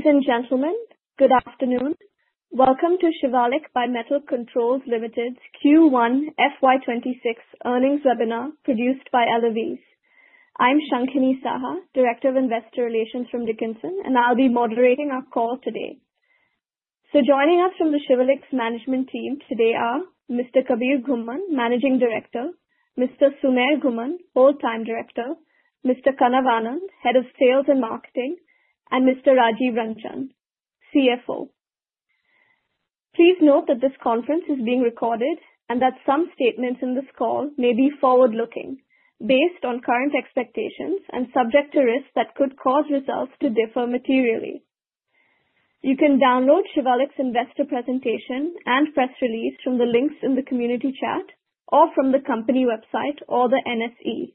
Ladies and gentlemen, good afternoon. Welcome to Shivalik Bimetal Controls Limited's Q1 FY26 earnings webinar produced by ElevEase. I'm Shankhini Saha, Director of Investor Relations from Dickenson, and I'll be moderating our call today. So joining us from the Shivalik's management team today are Mr. Kabir Ghumman, Managing Director, Mr. Sumer Ghumman, Whole Time Director, Mr. Kanav Anand, Head of Sales and Marketing, and Mr. Rajeev Ranjan, CFO. Please note that this conference is being recorded and that some statements in this call may be forward-looking, based on current expectations and subject to risks that could cause results to differ materially. You can download Shivalik's investor presentation and press release from the links in the community chat or from the company website or the NSE.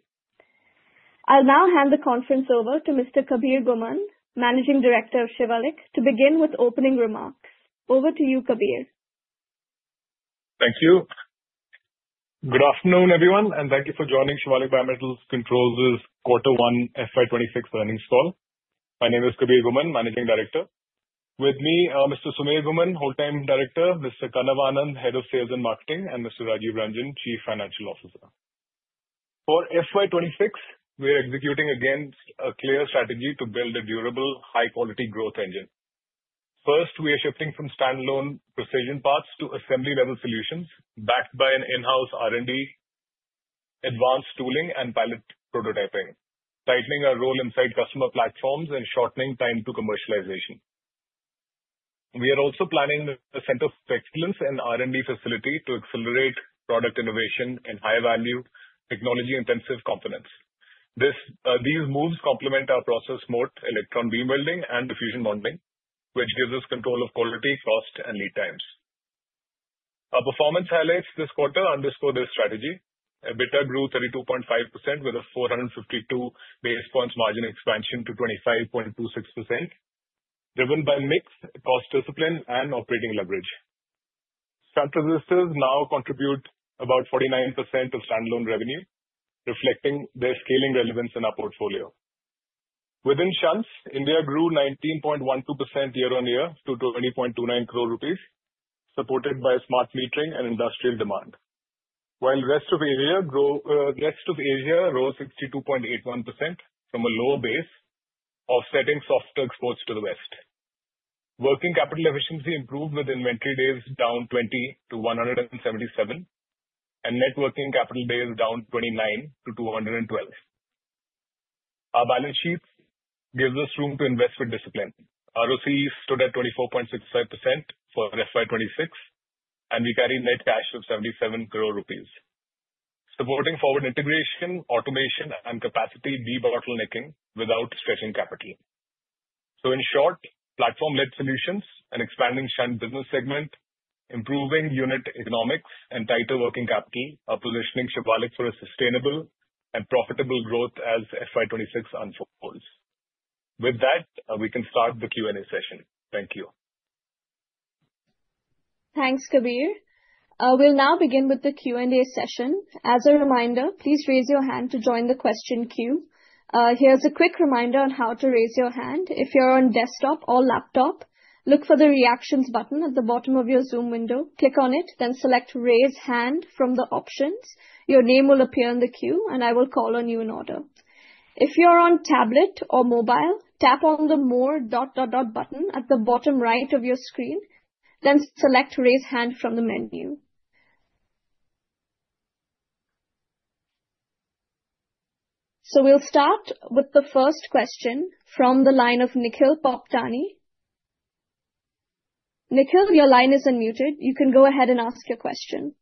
I'll now hand the conference over to Mr. Kabir Ghumman, Managing Director of Shivalik, to begin with opening remarks. Over to you, Kabir. Thank you. Good afternoon, everyone, and thank you for joining Shivalik Bimetal Controls' Quarter One FY26 Earnings Call. My name is Kabir Ghumman, Managing Director. With me, Mr. Sumer Ghumman, Whole-time Director, Mr. Kanav Anand, Head of Sales and Marketing, and Mr. Rajeev Ranjan, Chief Financial Officer. For FY26, we're executing against a clear strategy to build a durable, high-quality growth engine. First, we are shifting from standalone precision parts to assembly-level solutions, backed by an in-house R&D, advanced tooling, and pilot prototyping, tightening our role inside customer platforms and shortening time to commercialization. We are also planning a Centre of Excellence and R&D facility to accelerate product innovation and high-value, technology-intensive components. These moves complement our process moat, electron beam welding, and diffusion bonding, which gives us control of quality, cost, and lead times. Our performance highlights this quarter underscore this strategy. EBITDA grew 32.5% with a 452 basis points margin expansion to 25.26%, driven by mixed cost discipline and operating leverage. Shunt resistors now contribute about 49% of standalone revenue, reflecting their scaling relevance in our portfolio. Within shunts, India grew 19.12% year-on-year to 20.29 crore rupees, supported by smart metering and industrial demand, while Rest of Asia rose 62.81% from a lower base, offsetting softer exports to the West. Working capital efficiency improved with inventory days down 20 to 177, and net working capital days down 29 to 212. Our balance sheet gives us room to invest with discipline. ROCE stood at 24.65% for FY26, and we carry net cash of 77 crore rupees, supporting forward integration, automation, and capacity de-bottlenecking without stretching capital. So in short, platform-led solutions and expanding shunt business segment, improving unit economics, and tighter working capital are positioning Shivalik for a sustainable and profitable growth as FY26 unfolds. With that, we can start the Q&A session. Thank you. Thanks, Kabir. We'll now begin with the Q&A session. As a reminder, please raise your hand to join the question queue. Here's a quick reminder on how to raise your hand. If you're on desktop or laptop, look for the reactions button at the bottom of your Zoom window. Click on it, then select Raise Hand from the options. Your name will appear in the queue, and I will call on you in order. If you're on tablet or mobile, tap on the More dot dot dot button at the bottom right of your screen, then select Raise Hand from the menu. So we'll start with the first question from the line of Nikhil Poptani. Nikhil, your line is unmuted. You can go ahead and ask your question.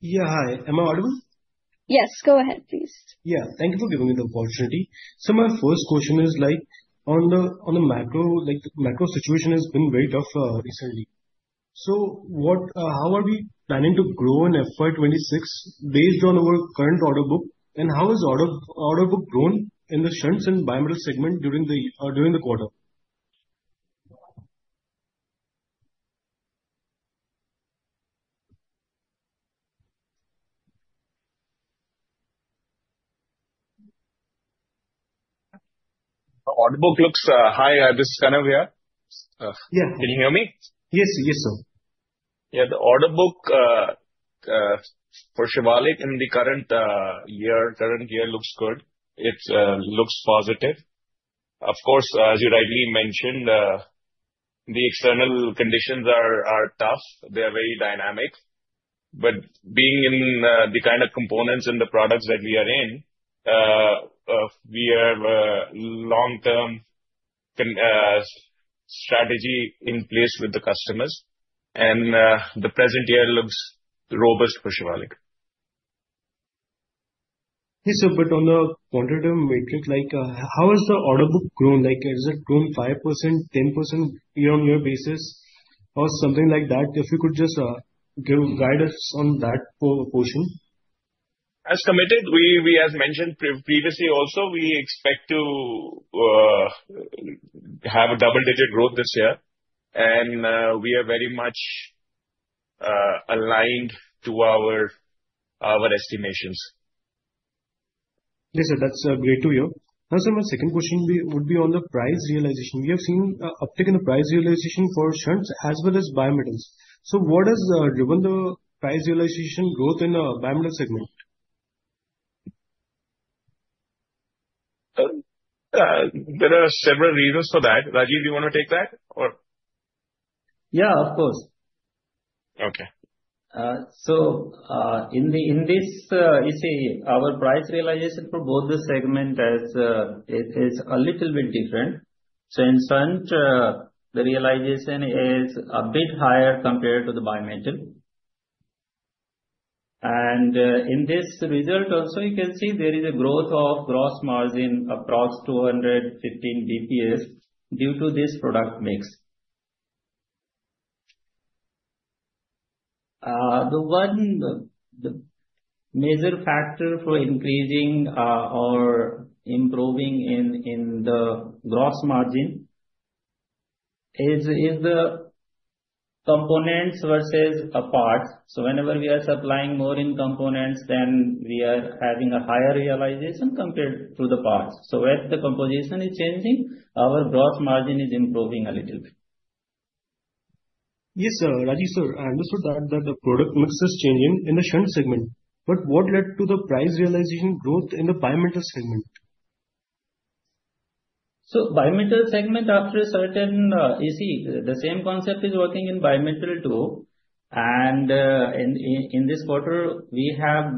Yeah, hi. Am I audible? Yes, go ahead, please. Yeah, thank you for giving me the opportunity. So my first question is, like, on the macro, like, the macro situation has been very tough recently. So how are we planning to grow in FY26 based on our current order book, and how has the order book grown in the shunts and bimetal segment during the quarter? The order book looks. Hi, this is Kanav here. Can you hear me? Yes, yes, sir. Yeah, the order book for Shivalik in the current year looks good. It looks positive. Of course, as you rightly mentioned, the external conditions are tough. They are very dynamic. But being in the kind of components and the products that we are in, we have a long-term strategy in place with the customers, and the present year looks robust for Shivalik. Yes, sir, but on the quantitative matrix, like, how has the order book grown? Like, has it grown 5%, 10% year-on-year basis or something like that? If you could just guide us on that portion. As committed, we have mentioned previously also, we expect to have a double-digit growth this year, and we are very much aligned to our estimations. Yes, sir, that's great to hear. Now, sir, my second question would be on the price realization. We have seen an uptick in the price realization for shunts as well as shunts. So what has driven the price realization growth in the bimetal segment? There are several reasons for that. Rajeev, do you want to take that or? Yeah, of course. Okay. So in this, you see, our price realization for both the segments is a little bit different. So in shunts, the realization is a bit higher compared to the bimetal. And in this result also, you can see there is a growth of gross margin of approx 215 bps due to this product mix. The one major factor for increasing or improving in the gross margin is the components versus parts. So whenever we are supplying more in components, then we are having a higher realization compared to the parts. So as the composition is changing, our gross margin is improving a little bit. Yes, sir. Rajeev, sir, I understood that the product mix is changing in the shunts segment. But what led to the price realization growth in the bimetal segment? So bimetal segment, after a certain—you see, the same concept is working in bimetal too. And in this quarter, we have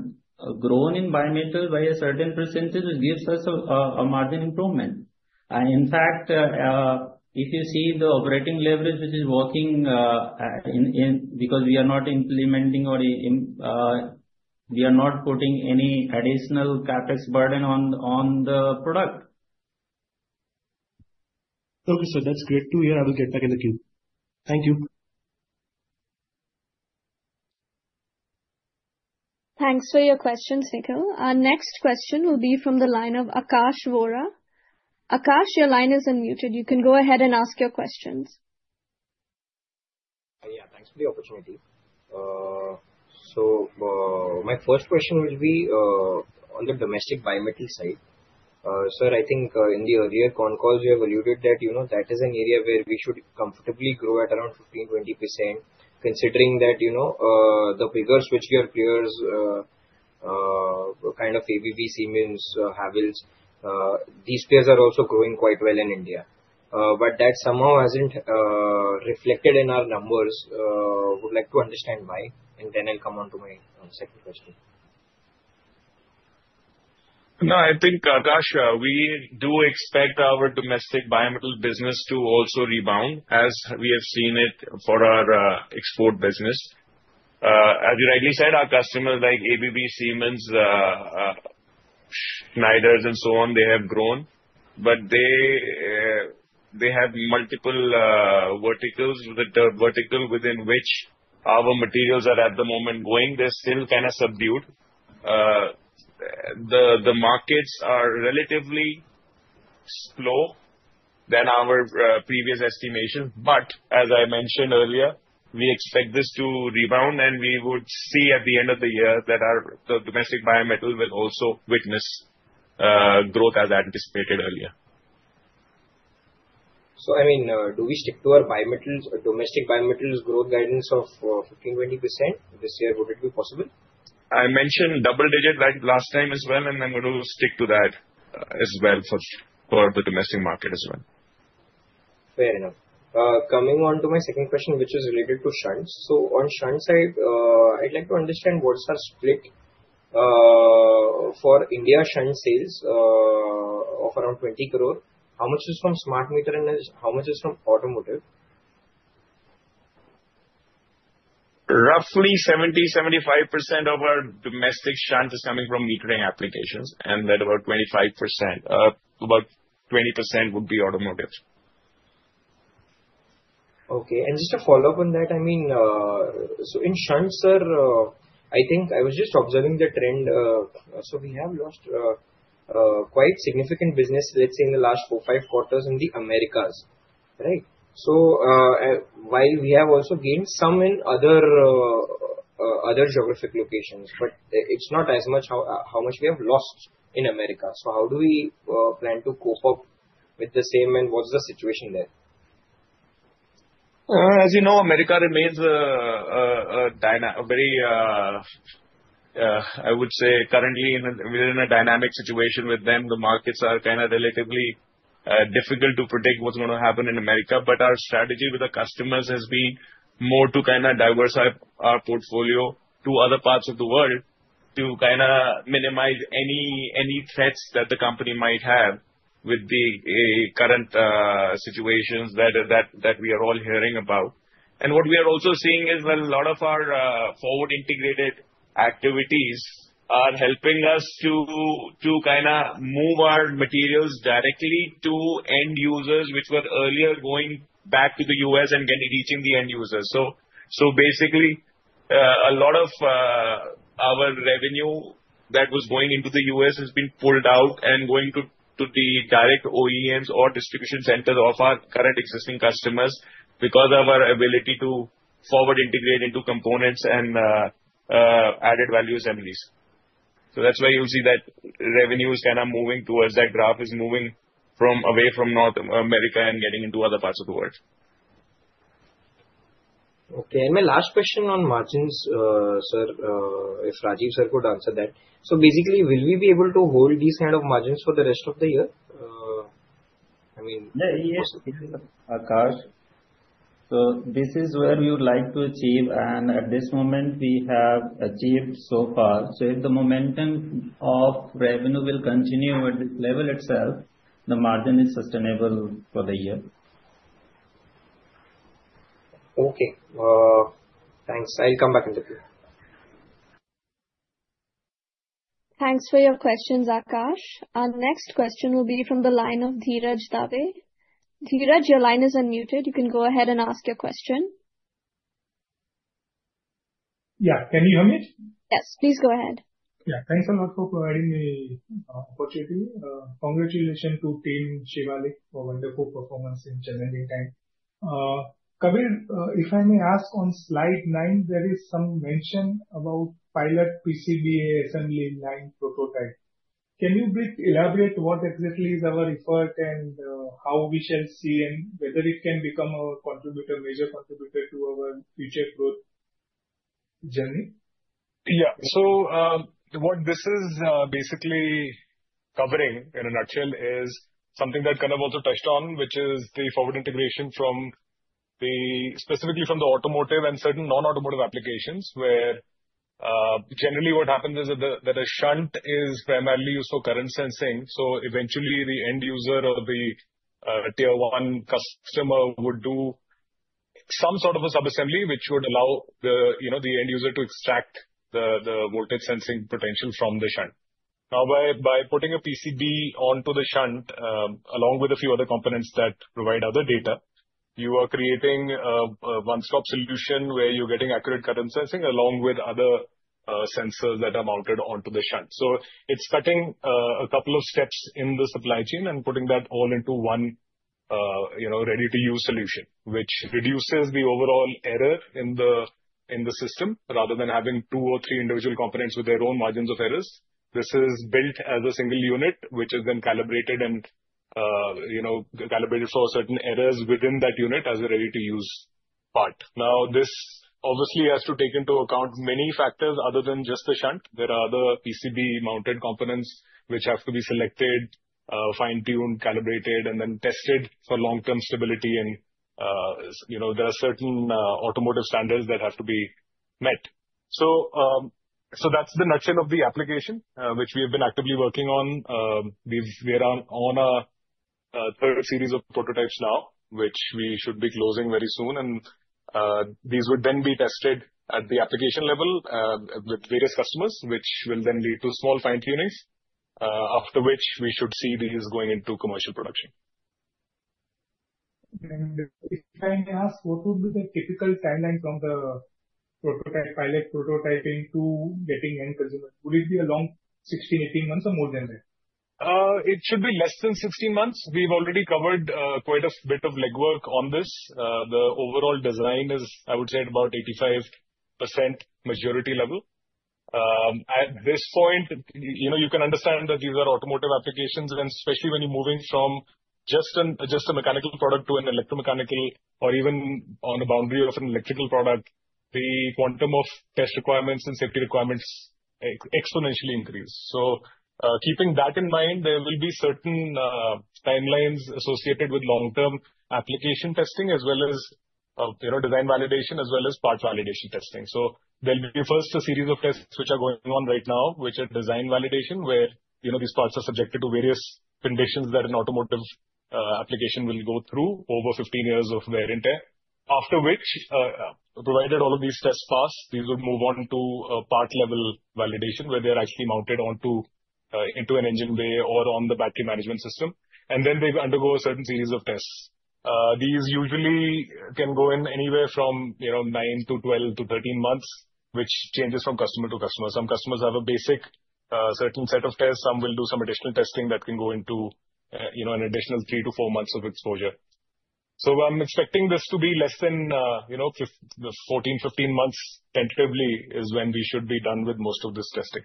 grown in bimetal by a certain percentage, which gives us a margin improvement. And in fact, if you see the operating leverage, which is working because we are not implementing or we are not putting any additional CapEx burden on the product. Okay, sir, that's great to hear. I will get back in the queue. Thank you. Thanks for your questions, Nikhil. Our next question will be from the line of Akash Vora. Akash, your line is unmuted. You can go ahead and ask your questions. Yeah, thanks for the opportunity. So my first question would be on the domestic bimetal side. Sir, I think in the earlier con calls, you have alluded that that is an area where we should comfortably grow at around 15-20%, considering that the figures which your peers, kind of ABB, Siemens, Havells, these players are also growing quite well in India. But that somehow hasn't reflected in our numbers. I would like to understand why, and then I'll come on to my second question. No, I think, Akash, we do expect our domestic bimetal business to also rebound, as we have seen it for our export business. As you rightly said, our customers like ABB, Siemens, Schneider, and so on, they have grown. But they have multiple verticals within which our materials are at the moment going. They're still kind of subdued. The markets are relatively slow than our previous estimations. But as I mentioned earlier, we expect this to rebound, and we would see at the end of the year that the domestic bimetal will also witness growth as anticipated earlier. I mean, do we stick to our domestic bimetal growth guidance of 15%-20% this year? Would it be possible? I mentioned double-digit last time as well, and I'm going to stick to that as well for the domestic market as well. Fair enough. Coming on to my second question, which is related to shunts. So on shunts side, I'd like to understand what's our split for India shunts sales of around 20 crore. How much is from smart metering, and how much is from automotive? Roughly 70%-75% of our domestic shunts is coming from metering applications, and that about 25%, about 20% would be automotive. Okay. And just to follow up on that, I mean, so in shunts, sir, I think I was just observing the trend. So we have lost quite significant business, let's say, in the last four-five quarters in the Americas, right? So while we have also gained some in other geographic locations, but it's not as much how much we have lost in America. So how do we plan to cope up with the same, and what's the situation there? As you know, America remains a very, I would say, currently we're in a dynamic situation with them. The markets are kind of relatively difficult to predict what's going to happen in America, but our strategy with our customers has been more to kind of diversify our portfolio to other parts of the world to kind of minimize any threats that the company might have with the current situations that we are all hearing about, and what we are also seeing is a lot of our forward integrated activities are helping us to kind of move our materials directly to end users, which were earlier going back to the U.S. and reaching the end users. So basically, a lot of our revenue that was going into the U.S. has been pulled out and going to the direct OEMs or distribution centers of our current existing customers because of our ability to forward integrate into components and added value assemblies. So that's why you'll see that revenue is kind of moving towards that graph is moving away from North America and getting into other parts of the world. Okay. And my last question on margins, sir, if Rajeev sir could answer that. So basically, will we be able to hold these kind of margins for the rest of the year? I mean. Yeah, yes, Akash. So this is where we would like to achieve, and at this moment, we have achieved so far. So if the momentum of revenue will continue at this level itself, the margin is sustainable for the year. Okay. Thanks. I'll come back into the queue. Thanks for your questions, Akash. Our next question will be from the line of Dhiraj Dave. Dhiraj, your line is unmuted. You can go ahead and ask your question. Yeah, can you hear me? Yes, please go ahead. Yeah, thanks a lot for providing the opportunity. Congratulations to Team Shivalik for wonderful performance in challenging time. Kabir, if I may ask, on slide nine, there is some mention about pilot PCBA assembly line prototype. Can you elaborate what exactly is our effort and how we shall see and whether it can become a major contributor to our future growth journey? Yeah. So what this is basically covering in a nutshell is something that Kanav also touched on, which is the forward integration specifically from the automotive and certain non-automotive applications where generally what happens is that a shunts is primarily used for current sensing. So eventually, the end user or the tier-one customer would do some sort of a sub-assembly which would allow the end user to extract the voltage sensing potential from the shunts. Now, by putting a PCB onto the shunts along with a few other components that provide other data, you are creating a one-stop solution where you're getting accurate current sensing along with other sensors that are mounted onto the shunts. So it's cutting a couple of steps in the supply chain and putting that all into one ready-to-use solution, which reduces the overall error in the system rather than having two or three individual components with their own margins of errors. This is built as a single unit, which is then calibrated for certain errors within that unit as a ready-to-use part. Now, this obviously has to take into account many factors other than just the shunts. There are other PCB-mounted components which have to be selected, fine-tuned, calibrated, and then tested for long-term stability. And there are certain automotive standards that have to be met. So that's the nutshell of the application which we have been actively working on. We are on a third series of prototypes now, which we should be closing very soon. These would then be tested at the application level with various customers, which will then lead to small fine-tunings, after which we should see these going into commercial production. If I may ask, what would be the typical timeline from the pilot prototyping to getting end consumers? Would it be around 16-18 months or more than that? It should be less than 16 months. We've already covered quite a bit of legwork on this. The overall design is, I would say, at about 85% maturity level. At this point, you can understand that these are automotive applications, and especially when you're moving from just a mechanical product to an electromechanical or even on the boundary of an electrical product, the quantum of test requirements and safety requirements exponentially increase, so keeping that in mind, there will be certain timelines associated with long-term application testing as well as design validation as well as part validation testing, so there'll be first a series of tests which are going on right now, which are design validation where these parts are subjected to various conditions that an automotive application will go through over 15 years of wear and tear. After which, provided all of these tests pass, these would move on to part-level validation where they're actually mounted onto an engine bay or on the battery management system. And then they undergo a certain series of tests. These usually can go in anywhere from nine to 12 to 13 months, which changes from customer to customer. Some customers have a basic certain set of tests. Some will do some additional testing that can go into an additional three to four months of exposure. So I'm expecting this to be less than 14-15 months tentatively is when we should be done with most of this testing.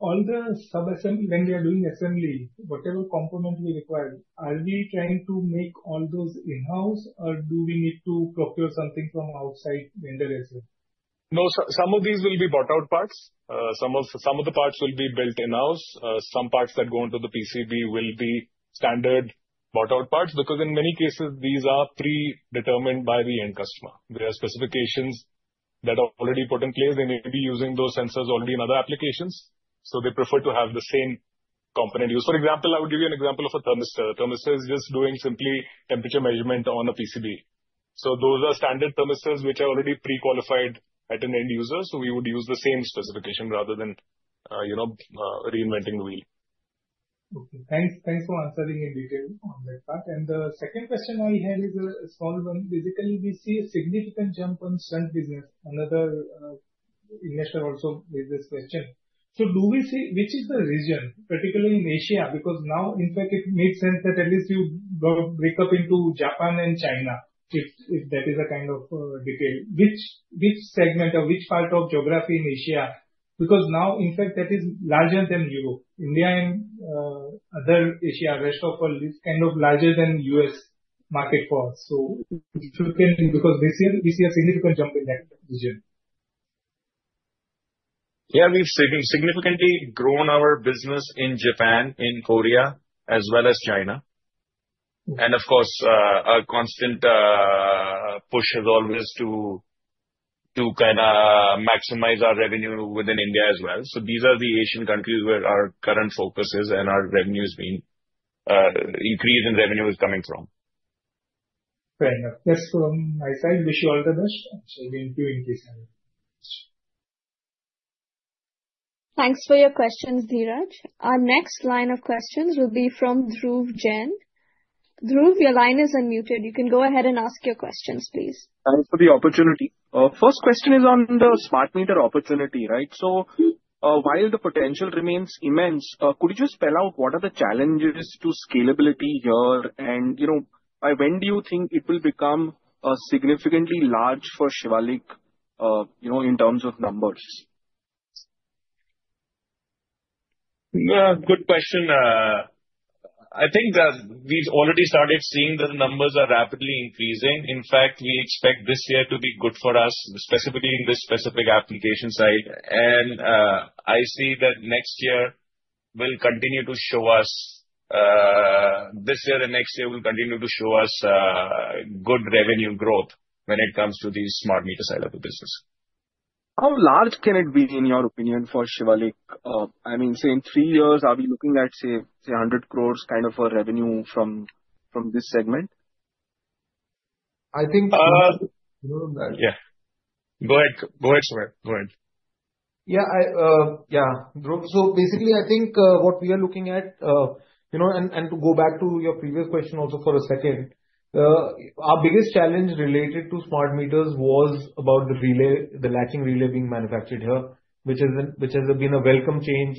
All the sub-assembly, when we are doing assembly, whatever component we require, are we trying to make all those in-house or do we need to procure something from outside vendor as well? No, some of these will be bought-out parts. Some of the parts will be built in-house. Some parts that go into the PCB will be standard bought-out parts because in many cases, these are predetermined by the end customer. There are specifications that are already put in place. They may be using those sensors already in other applications. So they prefer to have the same component used. For example, I would give you an example of a thermistor. A thermistor is just doing simply temperature measurement on a PCB. So those are standard thermistors which are already pre-qualified at an end user. So we would use the same specification rather than reinventing the wheel. Okay. Thanks for answering in detail on that part, and the second question I have is a small one. Basically, we see a significant jump on shunts business. Another investor also made this question, so do we see which is the region, particularly in Asia? Because now, in fact, it makes sense that at least you break up into Japan and China, if that is a kind of detail. Which segment or which part of geography in Asia? Because now, in fact, that is larger than Europe. India and other Asia, rest of the world, is kind of larger than U.S. market for us, so if you can, because this year is a significant jump in that region. Yeah, we've significantly grown our business in Japan, in Korea, as well as China. And of course, our constant push is always to kind of maximize our revenue within India as well. So these are the Asian countries where our current focus is and our increase in revenue is coming from. Fair enough. That's from my side. Wish you all the best. I'll link you in case anything comes up. Thanks for your questions, Dhiraj. Our next line of questions will be from Dhruv Jain. Dhruv, your line is unmuted. You can go ahead and ask your questions, please. Thanks for the opportunity. First question is on the smart meter opportunity, right? So while the potential remains immense, could you just spell out what are the challenges to scalability here? And by when do you think it will become significantly large for Shivalik in terms of numbers? Good question. I think that we've already started seeing the numbers are rapidly increasing. In fact, we expect this year to be good for us, specifically in this specific application side. And I see that next year will continue to show us. This year and next year will continue to show us good revenue growth when it comes to the smart meter side of the business. How large can it be, in your opinion, for Shivalik? I mean, say in three years, are we looking at, say, 100 crore kind of a revenue from this segment? I think. Yeah. Go ahead. Go ahead, Sumer. Go ahead. Yeah. Yeah. Dhruv, so basically, I think what we are looking at, and to go back to your previous question also for a second, our biggest challenge related to smart meters was about the delay, the latching relay being manufactured here, which has been a welcome change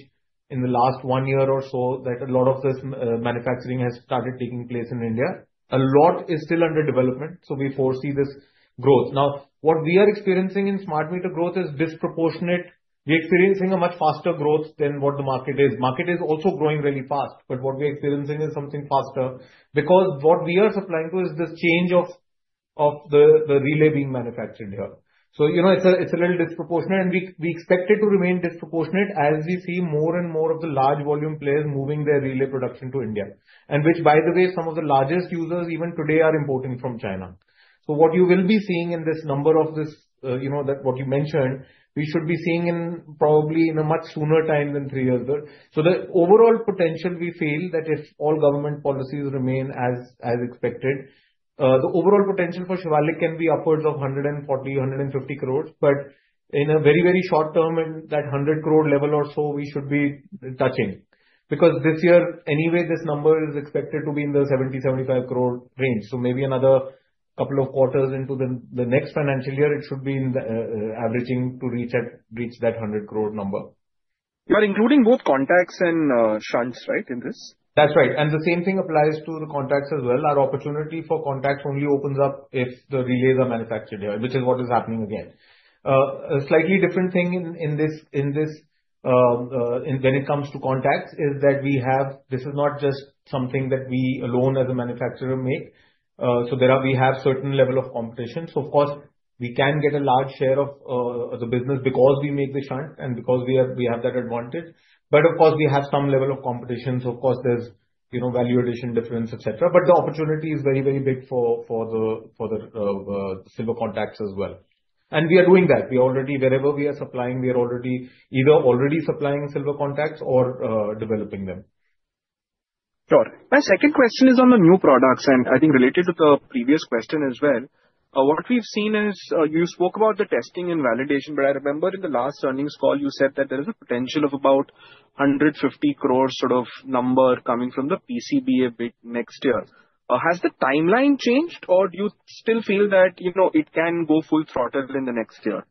in the last one year or so that a lot of this manufacturing has started taking place in India. A lot is still under development, so we foresee this growth. Now, what we are experiencing in smart meter growth is disproportionate. We are experiencing a much faster growth than what the market is. The market is also growing really fast, but what we are experiencing is something faster because what we are supplying to is this change of the relay being manufactured here. So it's a little disproportionate, and we expect it to remain disproportionate as we see more and more of the large volume players moving their relay production to India, and which, by the way, some of the largest users even today are importing from China. So what you will be seeing in this number of what you mentioned, we should be seeing probably in a much sooner time than three years ago. So the overall potential we feel that if all government policies remain as expected, the overall potential for Shivalik can be upwards of 140-150 crore. But in a very, very short term, that 100 crore level or so, we should be touching because this year, anyway, this number is expected to be in the 70-75 crore range. Maybe another couple of quarters into the next financial year, it should be averaging to reach that 100 crore number. You are including both contacts and shunts, right, in this? That's right. And the same thing applies to the contacts as well. Our opportunity for contacts only opens up if the relays are manufactured here, which is what is happening again. A slightly different thing in this when it comes to contacts is that this is not just something that we alone as a manufacturer make. So we have a certain level of competition. So, of course, we can get a large share of the business because we make the shunts and because we have that advantage. But, of course, we have some level of competition. So, of course, there's value addition difference, etc. But the opportunity is very, very big for the silver contacts as well. And we are doing that. Wherever we are supplying, we are either already supplying silver contacts or developing them. Sure. My second question is on the new products, and I think related to the previous question as well. What we've seen is you spoke about the testing and validation, but I remember in the last earnings call, you said that there is a potential of about 150 crore sort of number coming from the PCBA bit next year. Has the timeline changed, or do you still feel that it can go full throttle in the next year?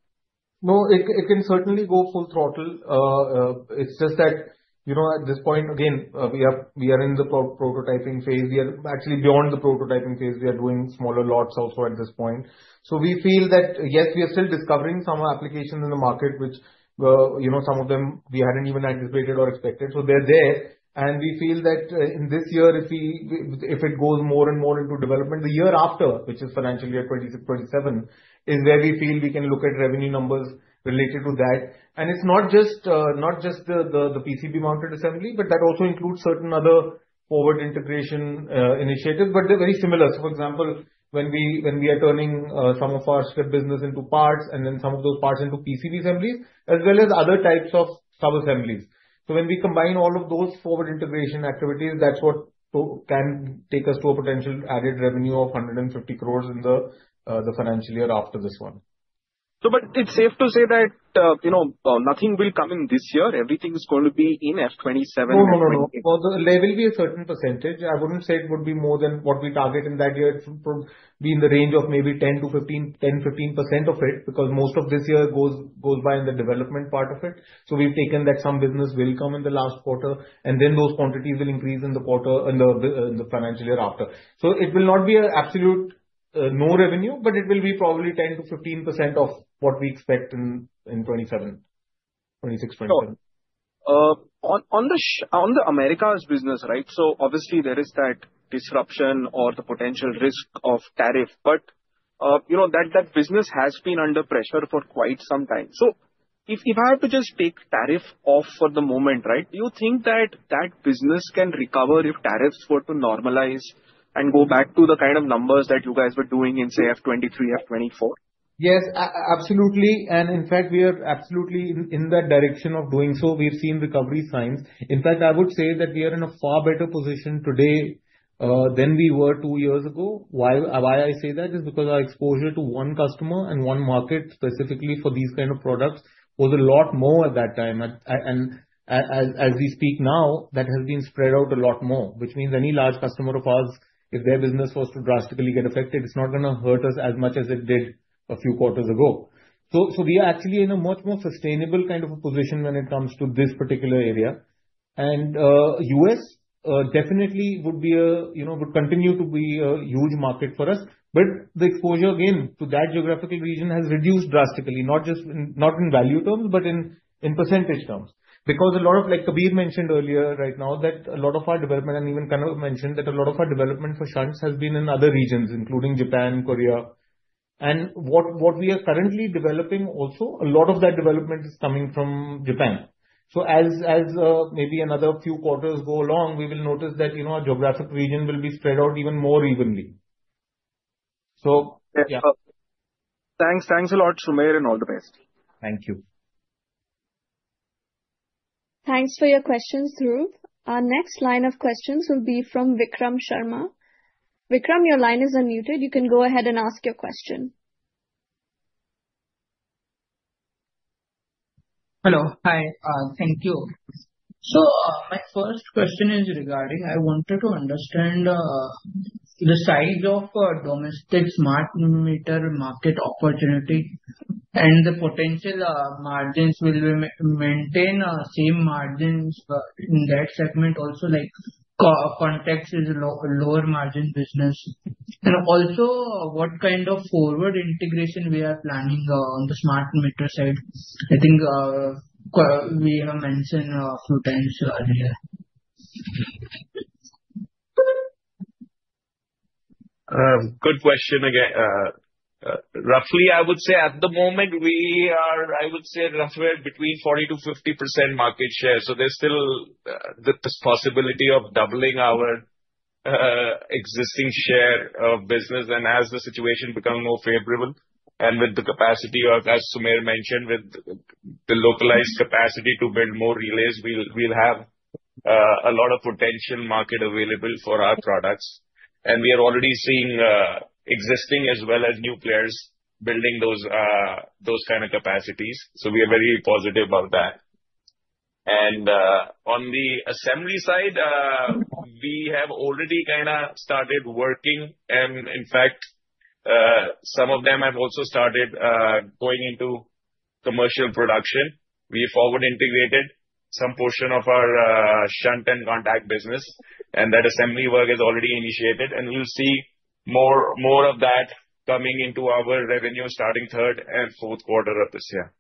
No, it can certainly go full throttle. It's just that at this point, again, we are in the prototyping phase. We are actually beyond the prototyping phase. We are doing smaller lots also at this point. So we feel that, yes, we are still discovering some applications in the market, which some of them we hadn't even anticipated or expected. So they're there. We feel that in this year, if it goes more and more into development, the year after, which is financial year 2026-2027, is where we feel we can look at revenue numbers related to that. It's not just the PCB mounted assembly, but that also includes certain other forward integration initiatives, but they're very similar. So, for example, when we are turning some of our strip business into parts and then some of those parts into PCB assemblies as well as other types of sub-assemblies, so when we combine all of those forward integration activities, that's what can take us to a potential added revenue of 150 crore in the financial year after this one. But it's safe to say that nothing will come in this year, everything is going to be in FY27? No, no, no. There will be a certain percentage. I wouldn't say it would be more than what we target in that year. It should be in the range of maybe 10%-15% of it because most of this year goes by in the development part of it. So we've taken that some business will come in the last quarter, and then those quantities will increase in the financial year after. So it will not be an absolute no revenue, but it will be probably 10%-15% of what we expect in 2027, 2026-2027. On the Americas business, right? So obviously, there is that disruption or the potential risk of tariff, but that business has been under pressure for quite some time. So if I have to just take tariff off for the moment, right, do you think that that business can recover if tariffs were to normalize and go back to the kind of numbers that you guys were doing in, say, FY23, FY24? Yes, absolutely. And in fact, we are absolutely in that direction of doing so. We've seen recovery signs. In fact, I would say that we are in a far better position today than we were two years ago. Why I say that is because our exposure to one customer and one market specifically for these kind of products was a lot more at that time. And as we speak now, that has been spread out a lot more, which means any large customer of ours, if their business was to drastically get affected, it's not going to hurt us as much as it did a few quarters ago. So we are actually in a much more sustainable kind of a position when it comes to this particular area. And U.S. definitely would continue to be a huge market for us. But the exposure, again, to that geographical region has reduced drastically, not in value terms, but in percentage terms. Because, like Kabir mentioned earlier right now, a lot of our development, and even Kanav mentioned that a lot of our development for shunts has been in other regions, including Japan, Korea. And what we are currently developing also, a lot of that development is coming from Japan. So as maybe another few quarters go along, we will notice that our geographic region will be spread out even more evenly. So yeah. Thanks. Thanks a lot, Sumer, and all the best. Thank you. Thanks for your questions, Dhruv. Our next line of questions will be from Vikram Sharma. Vikram, your line is unmuted. You can go ahead and ask your question. Hello. Hi. Thank you. So my first question is regarding. I wanted to understand the size of domestic smart meter market opportunity and the potential margins. Will we maintain same margins in that segment also, like contacts is lower margin business? And also, what kind of forward integration we are planning on the smart meter side? I think we have mentioned a few times earlier. Good question. Roughly, I would say at the moment, we are, I would say, roughly between 40%-50% market share. So there's still the possibility of doubling our existing share of business. And as the situation becomes more favorable and with the capacity of, as Sumer mentioned, with the localized capacity to build more relays, we'll have a lot of potential market available for our products. And we are already seeing existing as well as new players building those kind of capacities. So we are very positive about that. And on the assembly side, we have already kind of started working. And in fact, some of them have also started going into commercial production. We have forward integrated some portion of our shunts and contact business, and that assembly work is already initiated. We'll see more of that coming into our revenue starting third and fourth quarter of this year.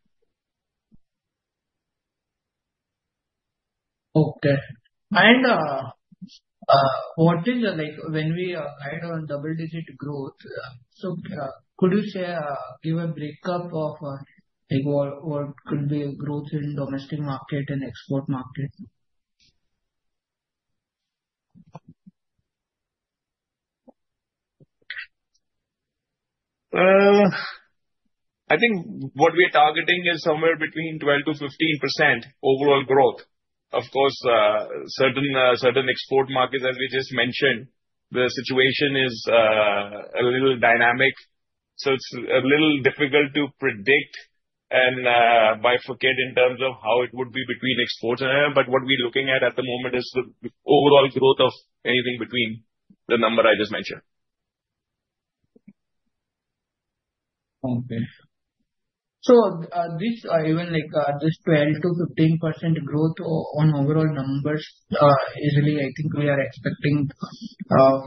Okay. And when we are on double-digit growth, so could you give a break-up of what could be growth in domestic market and export market? I think what we are targeting is somewhere between 12%-15% overall growth. Of course, certain export markets, as we just mentioned, the situation is a little dynamic. So it's a little difficult to predict and bifurcate in terms of how it would be between exports. But what we're looking at at the moment is the overall growth of anything between the number I just mentioned. Okay. So even just 12%-15% growth on overall numbers is really, I think, we are expecting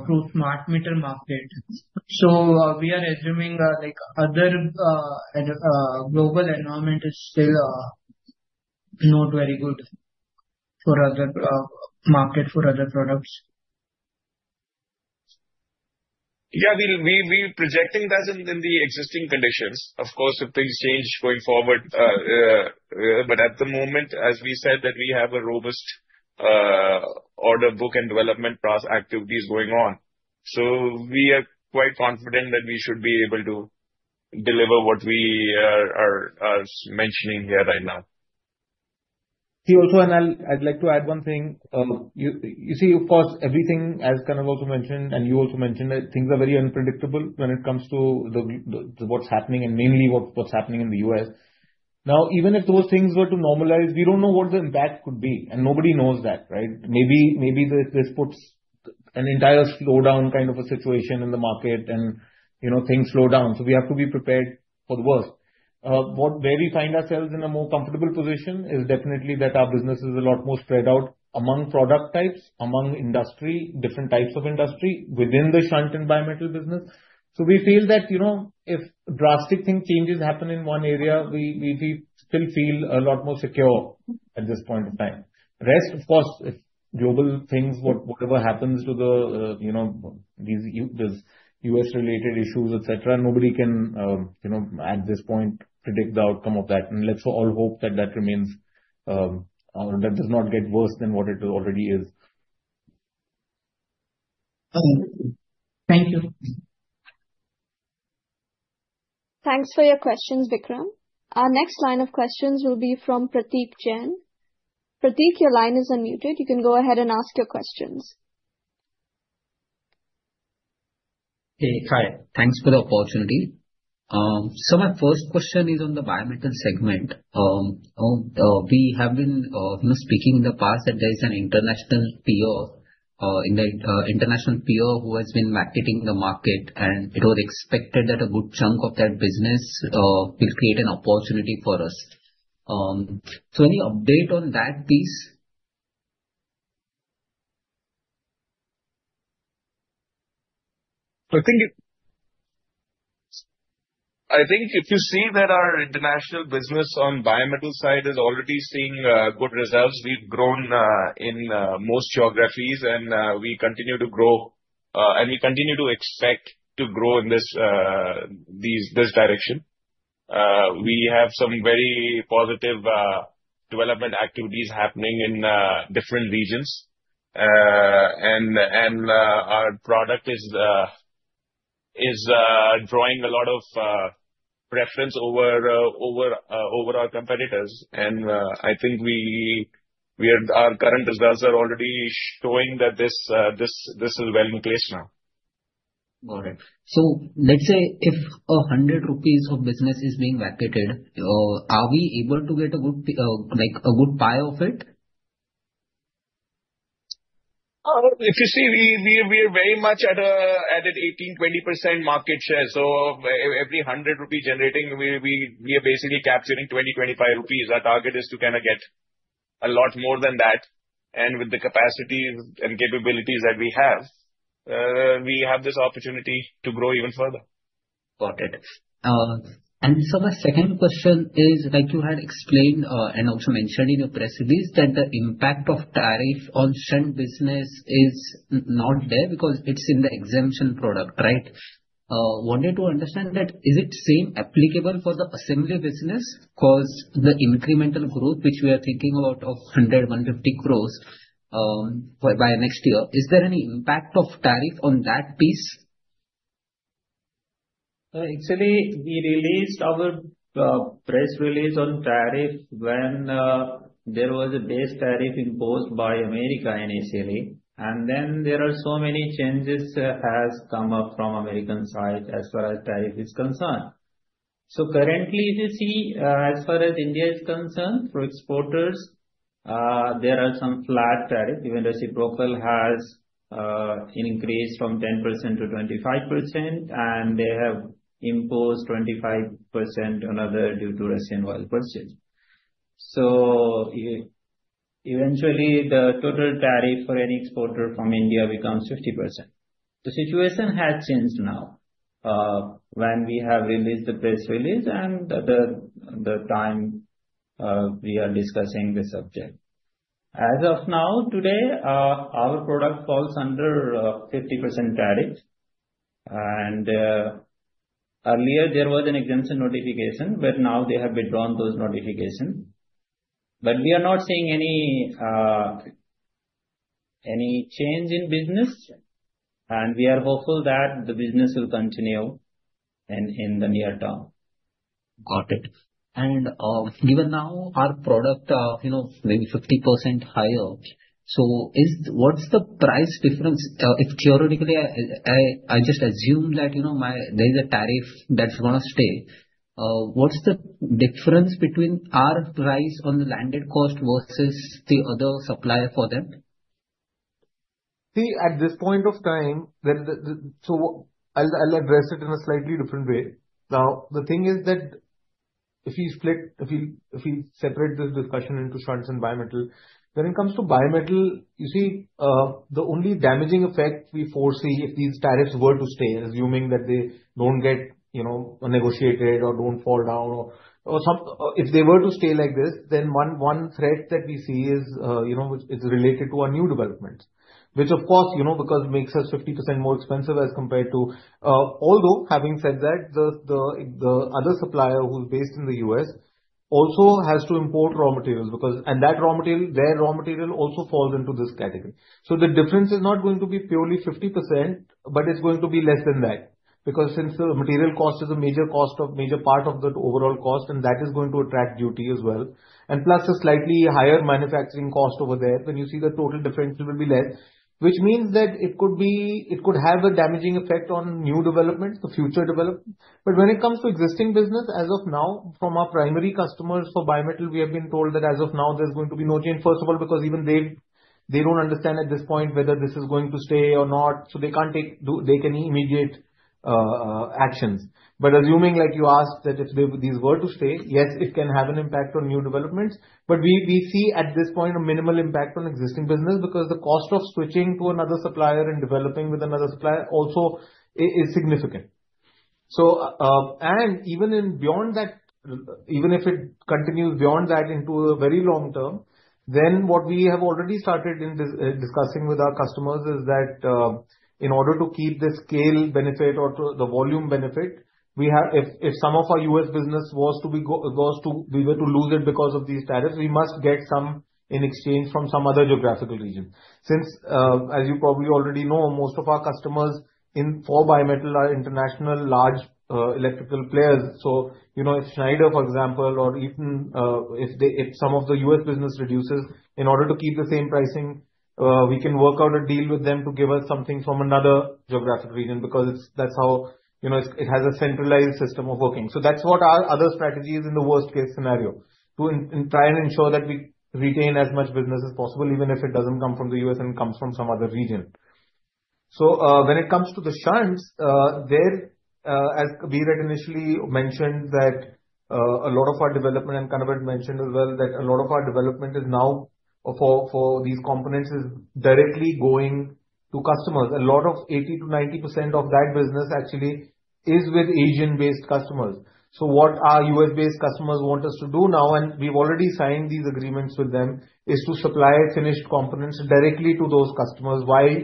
through smart meter market. So we are assuming other global environment is still not very good for other market for other products. Yeah. We're projecting that in the existing conditions. Of course, if things change going forward. But at the moment, as we said, that we have a robust order book and development activities going on. So we are quite confident that we should be able to deliver what we are mentioning here right now. See, also, and I'd like to add one thing. You see, of course, everything, as Kanav also mentioned, and you also mentioned that things are very unpredictable when it comes to what's happening and mainly what's happening in the U.S. Now, even if those things were to normalize, we don't know what the impact could be, and nobody knows that, right? Maybe this puts an entire slowdown kind of a situation in the market and things slow down, so we have to be prepared for the worst. Where we find ourselves in a more comfortable position is definitely that our business is a lot more spread out among product types, among different types of industry within the shunts and bimetal business, so we feel that if drastic thing changes happen in one area, we still feel a lot more secure at this point in time. Rest, of course, global things, whatever happens to these U.S.-related issues, etc., nobody can at this point predict the outcome of that. And let's all hope that that remains or that does not get worse than what it already is. Thank you. Thanks for your questions, Vikram. Our next line of questions will be from Pratik Jain. Pratik, your line is unmuted. You can go ahead and ask your questions. Hey, hi. Thanks for the opportunity. So my first question is on the bimetal segment. We have been speaking in the past that there is an international PO, an international PO who has been marketing the market, and it was expected that a good chunk of that business will create an opportunity for us. So any update on that piece? I think if you see that our international business on bimetal side is already seeing good results, we've grown in most geographies, and we continue to grow, and we continue to expect to grow in this direction. We have some very positive development activities happening in different regions, and our product is drawing a lot of preference over our competitors, and I think our current results are already showing that this is well in place now. Got it. So let's say if 100 rupees of business is being marketed, are we able to get a good pie of it? If you see, we are very much at an 18%-20% market share. So every 100 rupees generating, we are basically capturing 20-25 rupees. Our target is to kind of get a lot more than that. And with the capacity and capabilities that we have, we have this opportunity to grow even further. Got it. And so my second question is, like you had explained and also mentioned in your press release, that the impact of tariff on shunts business is not there because it's in the exemption product, right? Wanted to understand that is it the same applicable for the Assembly business because the incremental growth, which we are thinking about of 100-150 crore by next year, is there any impact of tariff on that piece? Actually, we released our press release on tariff when there was a base tariff imposed by America initially, and then there are so many changes that have come up from American side as far as tariff is concerned, so currently, if you see, as far as India is concerned, for exporters, there are some flat tariffs, even reciprocal has increased from 10%-25%, and they have imposed 25% on other due to Russian oil purchase, so eventually, the total tariff for any exporter from India becomes 50%. The situation has changed now when we have released the press release and the time we are discussing the subject. As of now, today, our product falls under 50% tariff, and earlier, there was an exemption notification, but now they have withdrawn those notifications. But we are not seeing any change in business, and we are hopeful that the business will continue in the near term. Got it. And given now our product maybe 50% higher, so what's the price difference? If theoretically, I just assume that there is a tariff that's going to stay. What's the difference between our price on the landed cost versus the other supplier for them? See, at this point of time, so I'll address it in a slightly different way. Now, the thing is that if we separate this discussion into shunts and bimetal, when it comes to bimetal, you see, the only damaging effect we foresee if these tariffs were to stay, assuming that they don't get negotiated or don't fall down, or if they were to stay like this, then one threat that we see is related to our new developments, which, of course, because makes us 50% more expensive as compared to. Although, having said that, the other supplier who's based in the U.S. also has to import raw materials, and that raw material, their raw material also falls into this category. So the difference is not going to be purely 50%, but it's going to be less than that because since the material cost is a major part of the overall cost, and that is going to attract duty as well. And plus a slightly higher manufacturing cost over there, then you see the total differential will be less, which means that it could have a damaging effect on new developments, the future development. But when it comes to existing business, as of now, from our primary customers for bimetal, we have been told that as of now, there's going to be no change. First of all, because even they don't understand at this point whether this is going to stay or not, so they can't take any immediate actions. But assuming, like you asked, that if these were to stay, yes, it can have an impact on new developments. We see at this point a minimal impact on existing business because the cost of switching to another supplier and developing with another supplier also is significant. Even beyond that, even if it continues beyond that into a very long term, then what we have already started discussing with our customers is that in order to keep the scale benefit or the volume benefit, if some of our US business was to be going to lose it because of these tariffs, we must get some in exchange from some other geographical region. As you probably already know, most of our customers for bimetal are international large electrical players. So if Schneider, for example, or even if some of the U.S. business reduces, in order to keep the same pricing, we can work out a deal with them to give us something from another geographic region because that's how it has a centralized system of working. So that's what our other strategy is in the worst-case scenario, to try and ensure that we retain as much business as possible, even if it doesn't come from the U.S. and comes from some other region. So when it comes to the shunts, as we initially mentioned, that a lot of our development, and kind of I'd mentioned as well, that a lot of our development is now for these components is directly going to customers. A lot of 80%-90% of that business actually is with Asian-based customers. So what our U.S.-based customers want us to do now, and we've already signed these agreements with them, is to supply finished components directly to those customers while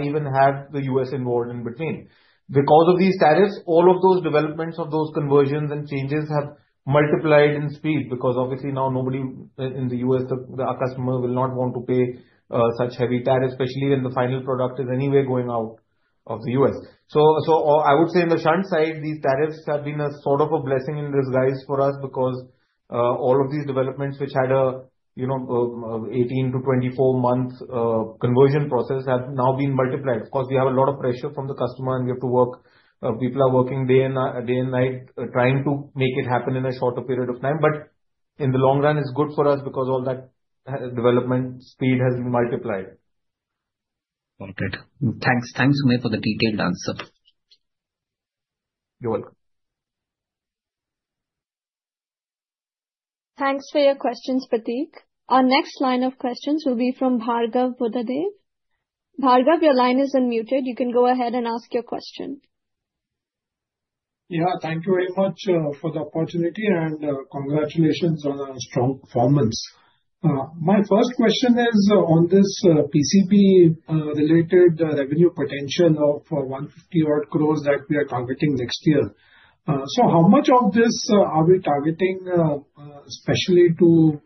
we even have the U.S. involved in between. Because of these tariffs, all of those developments of those conversions and changes have multiplied in speed because obviously now nobody in the U.S., our customers, will not want to pay such heavy tariffs, especially when the final product is anyway going out of the U.S. So I would say on the shunts side, these tariffs have been a sort of a blessing in disguise for us because all of these developments which had an 18-24-month conversion process have now been multiplied. Of course, we have a lot of pressure from the customer, and we have to work. People are working day and night trying to make it happen in a shorter period of time. But in the long run, it's good for us because all that development speed has been multiplied. Got it. Thanks, thanks so much for the detailed answer. You're welcome. Thanks for your questions, Pratik. Our next line of questions will be from Bhargav Buddhadev. Bhargav, your line is unmuted. You can go ahead and ask your question. Yeah, thank you very much for the opportunity and congratulations on our strong performance. My first question is on this PCB-related revenue potential of 150-odd crore that we are targeting next year. So how much of this are we targeting, especially to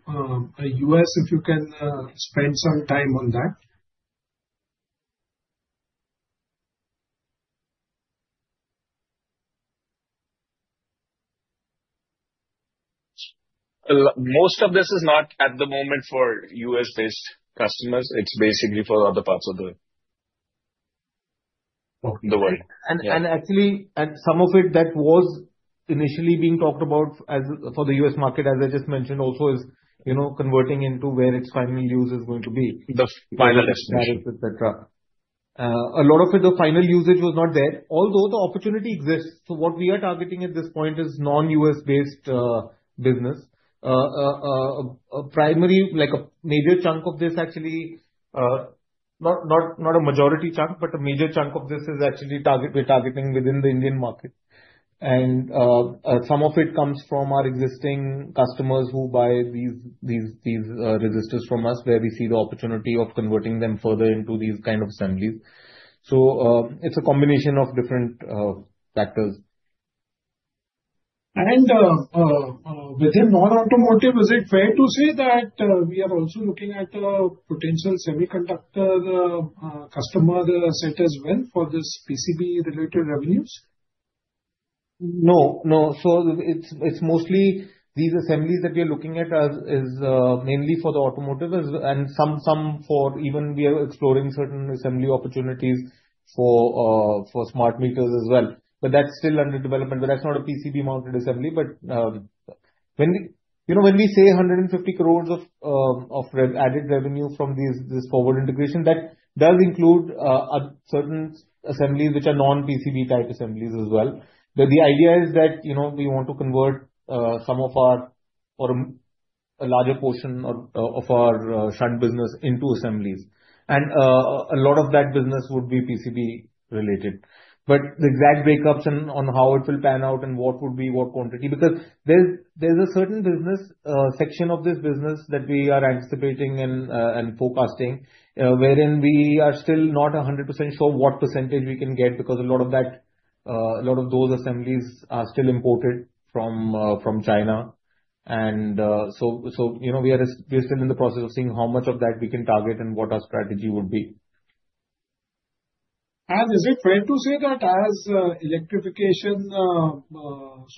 U.S., if you can spend some time on that? Most of this is not at the moment for U.S.-based customers. It's basically for other parts of the world. Actually, some of it that was initially being talked about for the U.S. market, as I just mentioned, also is converting into where its final use is going to be. The final destination. Tariffs, etc. A lot of it, the final usage was not there. Although the opportunity exists. So what we are targeting at this point is non-U.S.-based business. A major chunk of this, actually, not a majority chunk, but a major chunk of this is actually we're targeting within the Indian market. And some of it comes from our existing customers who buy these resistors from us, where we see the opportunity of converting them further into these kind of assemblies. So it's a combination of different factors. And within non-automotive, is it fair to say that we are also looking at a potential semiconductor customer set as well for this PCB-related revenues? No, no. So it's mostly these assemblies that we are looking at is mainly for the automotive and some for even we are exploring certain assembly opportunities for smart meters as well. But that's still under development. But that's not a PCB-mounted assembly. But when we say 150 crore of added revenue from this forward integration, that does include certain assemblies which are non-PCB type assemblies as well. But the idea is that we want to convert some of our or a larger portion of our shunts business into assemblies. And a lot of that business would be PCB-related. But the exact breakups and on how it will pan out and what would be what quantity, because there's a certain business section of this business that we are anticipating and forecasting, wherein we are still not 100% sure what percentage we can get, because a lot of that, a lot of those assemblies are still imported from China. And so we are still in the process of seeing how much of that we can target and what our strategy would be. Is it fair to say that as electrification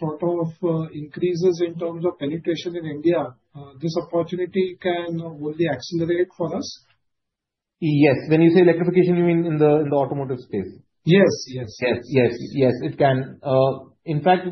sort of increases in terms of penetration in India, this opportunity can only accelerate for us? Yes. When you say electrification, you mean in the automotive space? Yes, yes. Yes, yes, yes, it can. In fact,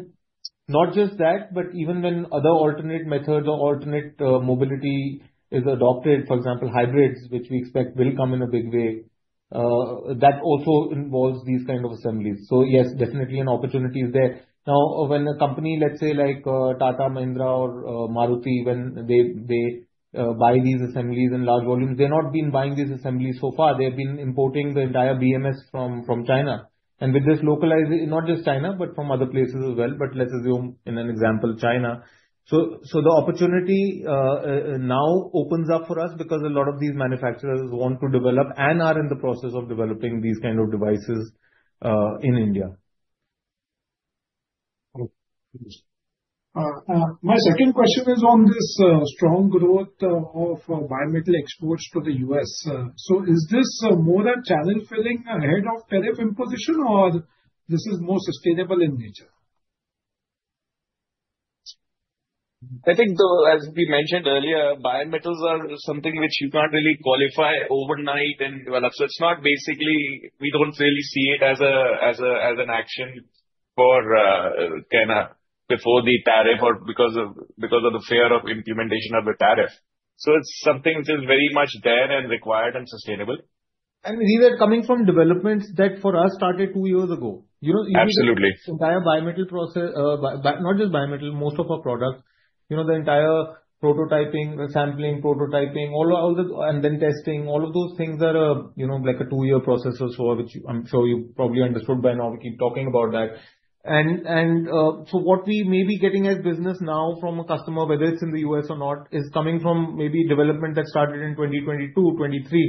not just that, but even when other alternate methods or alternate mobility is adopted, for example, hybrids, which we expect will come in a big way, that also involves these kind of assemblies. So yes, definitely an opportunity is there. Now, when a company, let's say like Tata, Mahindra, or Maruti, when they buy these assemblies in large volumes, they're not been buying these assemblies so far. They've been importing the entire BMS from China. And with this localization, not just China, but from other places as well, but let's assume in an example, China. So the opportunity now opens up for us because a lot of these manufacturers want to develop and are in the process of developing these kind of devices in India. My second question is on this strong growth of bimetal exports to the U.S. So is this more than channel filling ahead of tariff imposition, or this is more sustainable in nature? I think, as we mentioned earlier, bimetals are something which you can't really qualify overnight and develop. So it's not basically we don't really see it as an action for kind of before the tariff or because of the fear of implementation of the tariff. So it's something which is very much there and required and sustainable. These are coming from developments that for us started two years ago. Absolutely. The entire bimetal process, not just bimetal, most of our product, the entire prototyping, sampling, prototyping, and then testing, all of those things are like a two-year process or so, which I'm sure you probably understood by now. We keep talking about that, and so what we may be getting as business now from a customer, whether it's in the U.S. or not, is coming from maybe development that started in 2022-2023,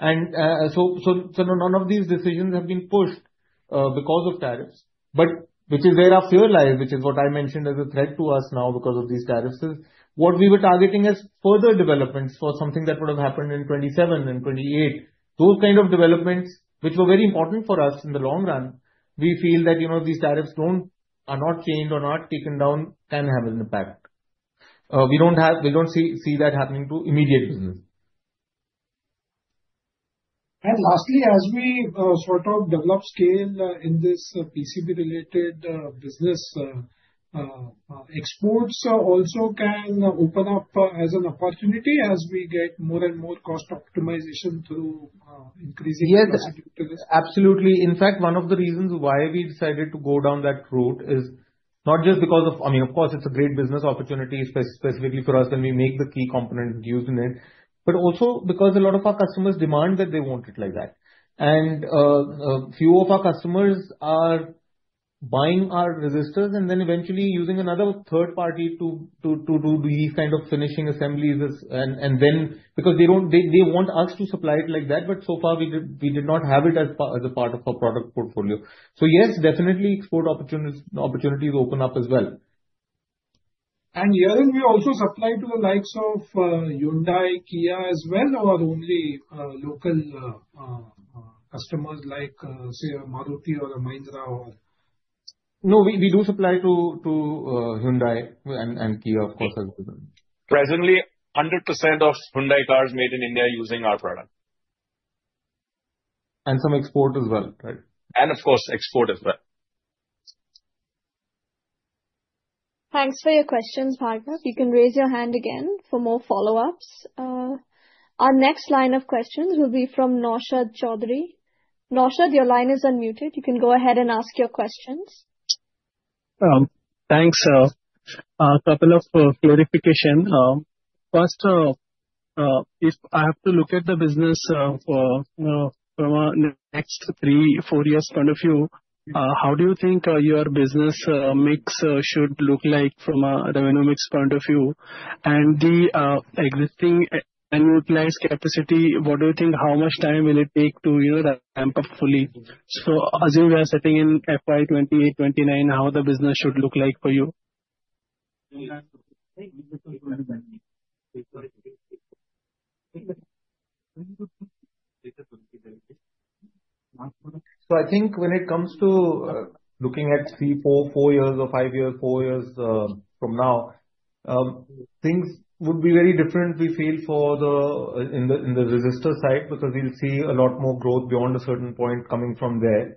and so none of these decisions have been pushed because of tariffs, but which is where our fear lies, which is what I mentioned as a threat to us now because of these tariffs, is what we were targeting as further developments for something that would have happened in 2027, in 2028. Those kind of developments, which were very important for us in the long run, we feel that these tariffs are not changed or not taken down, can have an impact. We don't see that happening to immediate business. And lastly, as we sort of develop scale in this PCB-related business, exports also can open up as an opportunity as we get more and more cost optimization through increasing capacity to this. Yes, absolutely. In fact, one of the reasons why we decided to go down that road is not just because of, I mean, of course, it's a great business opportunity specifically for us when we make the key component used in it, but also because a lot of our customers demand that they want it like that, and few of our customers are buying our resistors and then eventually using another third party to do these kind of finishing assemblies and then because they want us to supply it like that, but so far, we did not have it as a part of our product portfolio, so yes, definitely export opportunities open up as well. Here we also supply to the likes of Hyundai, Kia as well, or only local customers like, say, a Maruti or a Mahindra or? No, we do supply to Hyundai and Kia, of course. Presently, 100% of Hyundai cars made in India using our product. And some export as well, right? And of course, export as well. Thanks for your questions, Bhargav. You can raise your hand again for more follow-ups. Our next line of questions will be from Naushad Chaudhary. Naushad, your line is unmuted. You can go ahead and ask your questions. Thanks. A couple of clarifications. First, if I have to look at the business from a next three, four years point of view, how do you think your business mix should look like from a revenue mix point of view? And the existing and utilized capacity, what do you think, how much time will it take to ramp up fully? So as you were saying in FY 2028-2029, how the business should look like for you? So I think when it comes to looking at three, four, four years or five years, four years from now, things would be very different. We feel for the in the resistor side because we'll see a lot more growth beyond a certain point coming from there.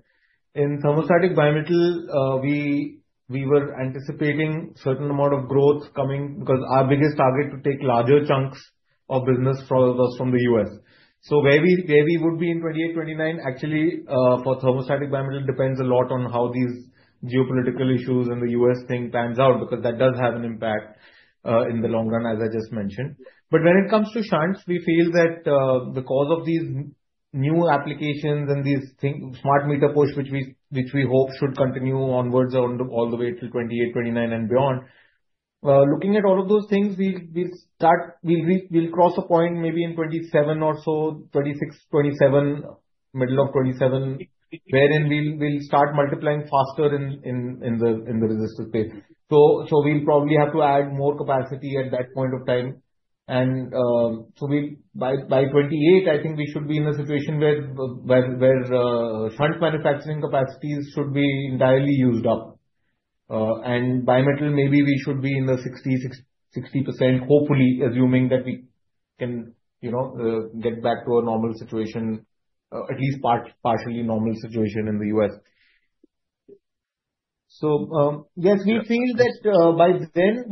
In thermostatic bimetal, we were anticipating a certain amount of growth coming because our biggest target to take larger chunks of business was from the U.S. So where we would be in 2028-2029, actually for thermostatic bimetal depends a lot on how these geopolitical issues and the U.S. thing pans out because that does have an impact in the long run, as I just mentioned. When it comes to shunts, we feel that because of these new applications and these smart meter push, which we hope should continue onwards all the way till 2028-2029 and beyond, looking at all of those things, we'll cross a point maybe in 2027 or so, 2026-2027, middle of 2027, wherein we'll start multiplying faster in the resistor space. We'll probably have to add more capacity at that point of time. By 2028, I think we should be in a situation where shunts manufacturing capacities should be entirely used up. Bimetal, maybe we should be in the [50%-60%], hopefully assuming that we can get back to a normal situation, at least partially normal situation in the U.S. So yes, we feel that by then, from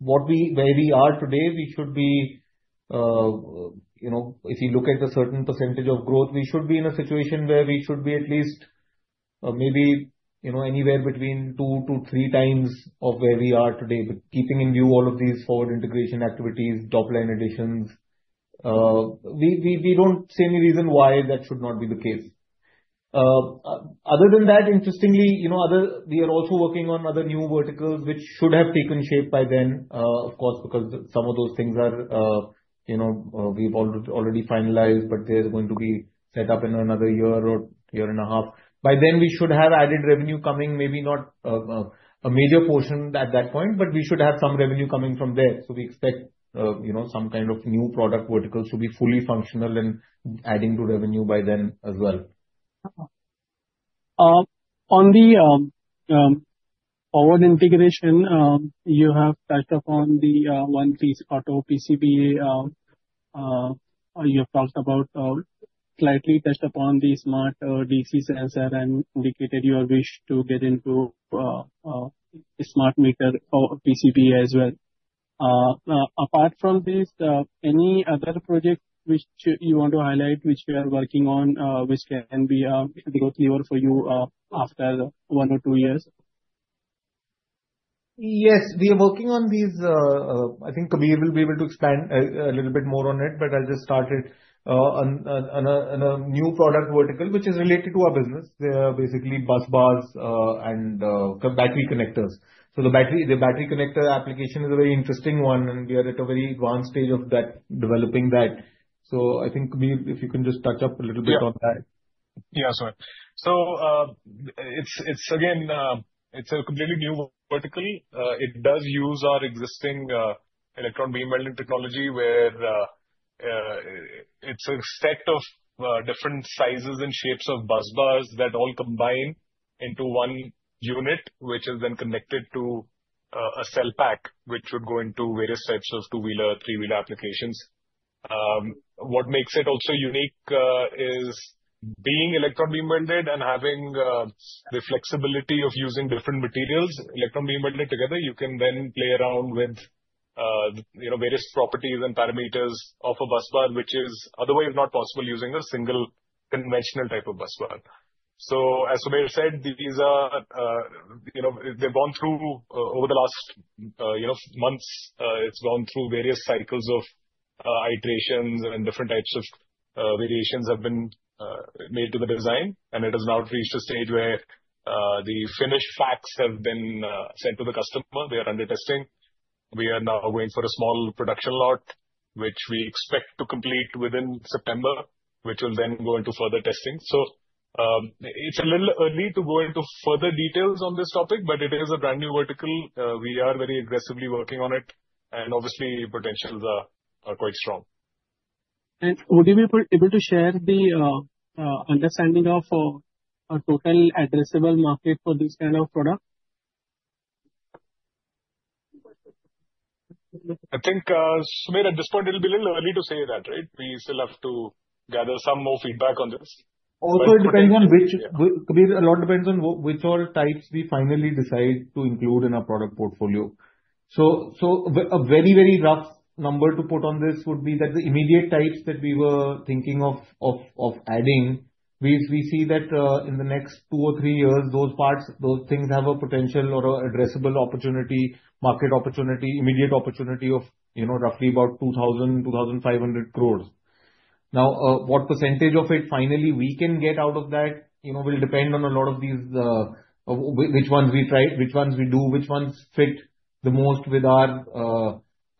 where we are today, we should be if you look at a certain percentage of growth, in a situation where we should be at least maybe anywhere between 2-3x of where we are today, keeping in view all of these forward integration activities, top-line additions. We don't see any reason why that should not be the case. Other than that, interestingly, we are also working on other new verticals which should have taken shape by then, of course, because some of those things we've already finalized, but they're going to be set up in another year or year and a half. By then, we should have added revenue coming, maybe not a major portion at that point, but we should have some revenue coming from there. So we expect some kind of new product verticals to be fully functional and adding to revenue by then as well. On the forward integration, you have touched upon the one-piece part or PCB. You have talked about slightly touched upon the smart DC sensor and indicated your wish to get into smart meter or PCB as well. Apart from this, any other project which you want to highlight, which you are working on, which can be a bit clearer for you after one or two years? Yes, we are working on these. I think Kabir will be able to expand a little bit more on it, but I'll just start it on a new product vertical, which is related to our business, basically busbars and battery connectors. So the battery connector application is a very interesting one, and we are at a very advanced stage of developing that. So I think, Kabir, if you can just touch up a little bit on that. Yeah, sure. It's again a completely new vertical. It does use our existing electron beam welding technology, where it's a set of different sizes and shapes of busbars that all combine into one unit, which is then connected to a cell pack, which would go into various types of two-wheeler, three-wheeler applications. What makes it also unique is being electron beam welded and having the flexibility of using different materials, electron beam welded together. You can then play around with various properties and parameters of a bus bar, which is otherwise not possible using a single conventional type of bus bar. As Sumer said, these have gone through over the last months. It's gone through various cycles of iterations, and different types of variations have been made to the design. It has now reached a stage where the finished parts have been sent to the customer. They are under testing. We are now going for a small production lot, which we expect to complete within September, which will then go into further testing. It's a little early to go into further details on this topic, but it is a brand new vertical. We are very aggressively working on it, and obviously, the potential is quite strong. Would you be able to share the understanding of a total addressable market for this kind of product? I think, Sumer, at this point, it'll be a little early to say that, right? We still have to gather some more feedback on this. Also depends on which, Kabir, a lot depends on which all types we finally decide to include in our product portfolio. So a very, very rough number to put on this would be that the immediate types that we were thinking of adding, we see that in the next two or three years, those parts, those things have a potential or an addressable opportunity, market opportunity, immediate opportunity of roughly about 2,000 crore -2,500 crore. Now, what percentage of it finally we can get out of that will depend on a lot of these which ones we try, which ones we do, which ones fit the most with our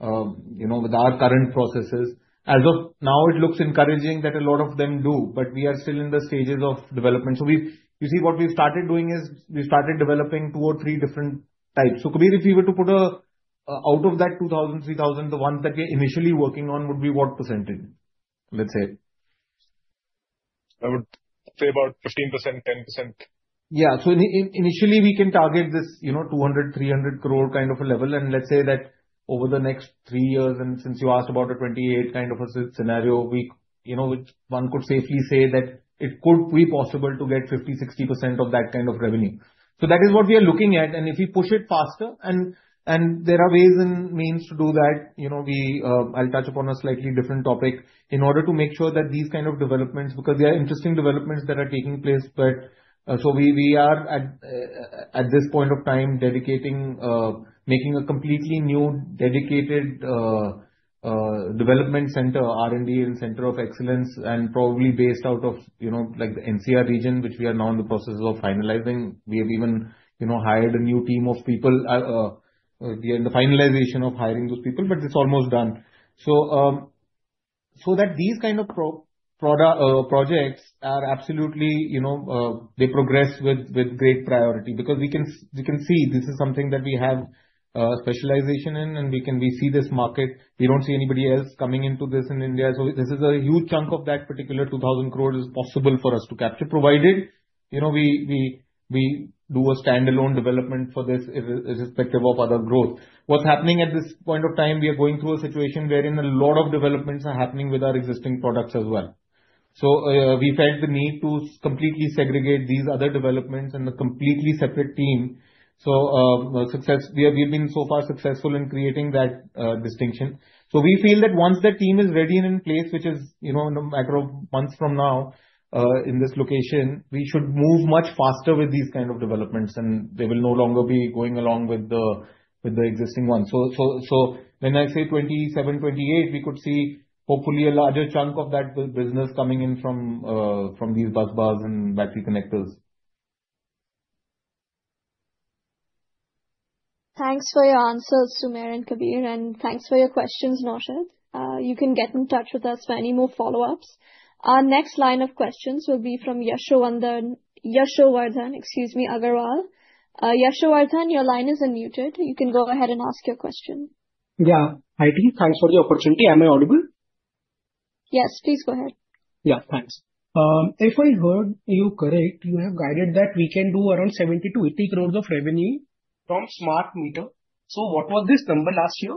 current processes. As of now, it looks encouraging that a lot of them do, but we are still in the stages of development. So you see what we've started doing is we've started developing two or three different types. So Kabir, if you were to put out of that 2,000 crore-3,000 crore, the ones that we're initially working on would be what percentage, let's say? I would say about 15%, [10%]. Yeah. So initially, we can target this 200-300 crore kind of a level. And let's say that over the next three years, and since you asked about a FY28 kind of a scenario, one could safely say that it could be possible to get 50%-60% of that kind of revenue. So that is what we are looking at. And if we push it faster, and there are ways and means to do that, I'll touch upon a slightly different topic in order to make sure that these kind of developments, because there are interesting developments that are taking place. But so we are at this point of time making a completely new dedicated development center, R&D and Centre of Excellence, and probably based out of the NCR region, which we are now in the process of finalizing. We have even hired a new team of people in the finalization of hiring those people, but it's almost done. So that these kind of projects are absolutely they progress with great priority because we can see this is something that we have specialization in, and we see this market. We don't see anybody else coming into this in India. So this is a huge chunk of that particular 2,000 crore is possible for us to capture, provided we do a standalone development for this irrespective of other growth. What's happening at this point of time, we are going through a situation wherein a lot of developments are happening with our existing products as well. So we felt the need to completely segregate these other developments and a completely separate team. So we have been so far successful in creating that distinction. So we feel that once the team is ready and in place, which is a matter of months from now in this location, we should move much faster with these kind of developments, and they will no longer be going along with the existing ones. So when I say FY27-FY28, we could see hopefully a larger chunk of that business coming in from these busbars and battery connectors. Thanks for your answers, Sumer and Kabir, and thanks for your questions, Naushad. You can get in touch with us for any more follow-ups. Our next line of questions will be from Yashovardhan, excuse me, Agarwal. Yashovardhan, your line is unmuted. You can go ahead and ask your question. Yeah. Hi, team. Thanks for the opportunity. Am I audible? Yes, please go ahead. Yeah, thanks. If I heard you correctly, you have guided that we can do around 70-80 crore of revenue from smart meter. So what was this number last year?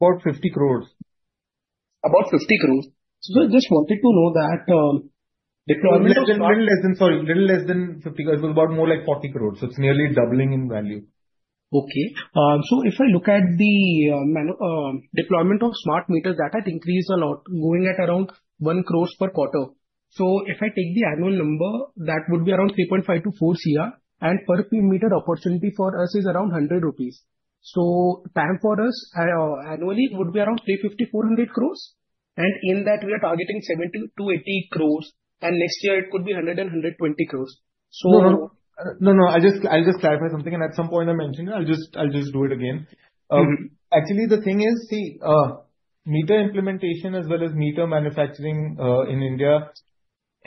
About 50 crore. About 50 crore. So I just wanted to know that deployment of. It's a little less than, sorry, a little less than 50 crore. It was about more like 40 crore. So it's nearly doubling in value. Okay. So if I look at the deployment of smart meters, that had increased a lot, going at around one crore per quarter. So if I take the annual number, that would be around 3.5 crore-4 crore, and per meter opportunity for us is around 100 rupees. So total for us annually would be around 350 crore-400 crore. And in that, we are targeting 70 crore-80 crore, and next year, it could be 100 crore and 120 crore. No, no, I'll just clarify something, and at some point, I mentioned it. I'll just do it again. Actually, the thing is, see, meter implementation as well as meter manufacturing in India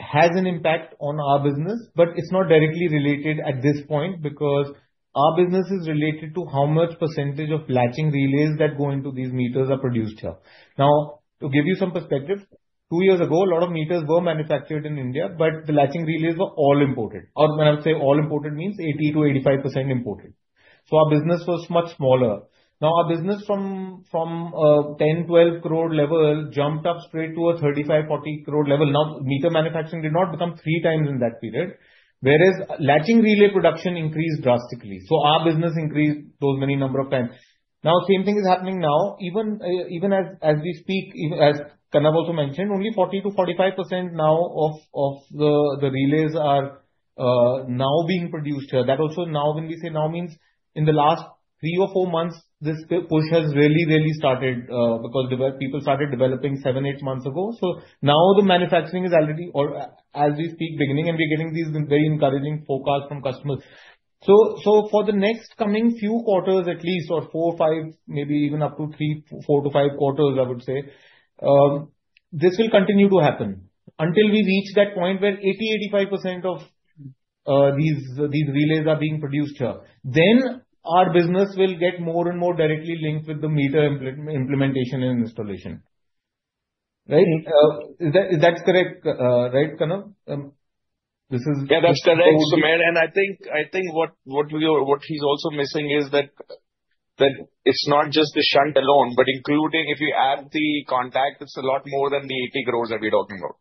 has an impact on our business, but it's not directly related at this point because our business is related to how much percentage of latching relays that go into these meters are produced here. Now, to give you some perspective, two years ago, a lot of meters were manufactured in India, but the latching relays were all imported. When I say all imported, it means 80%-85% imported. So our business was much smaller. Now, our business from 10 crore-12 crore level jumped up straight to a 35 crore-40 crore level. Now, meter manufacturing did not become 3x in that period, whereas latching relay production increased drastically. So our business increased those many number of times. Now, same thing is happening now. Even as we speak, as Kanav also mentioned, only 40%-45% now of the relays are now being produced here. That also now, when we say now, means in the last three or four months, this push has really, really started because people started developing seven, eight months ago. So now the manufacturing is already, as we speak, beginning, and we're getting these very encouraging forecasts from customers. So for the next coming few quarters, at least, or four, five, maybe even up to three, four to five quarters, I would say, this will continue to happen until we reach that point where 80%-85% of these relays are being produced here. Then our business will get more and more directly linked with the meter implementation and installation. Right? Is that correct, right, Kanav? Yeah, that's correct, Sumer. I think what he's also missing is that it's not just the shunts alone, but including if you add the contact, it's a lot more than the 80 crore that we're talking about.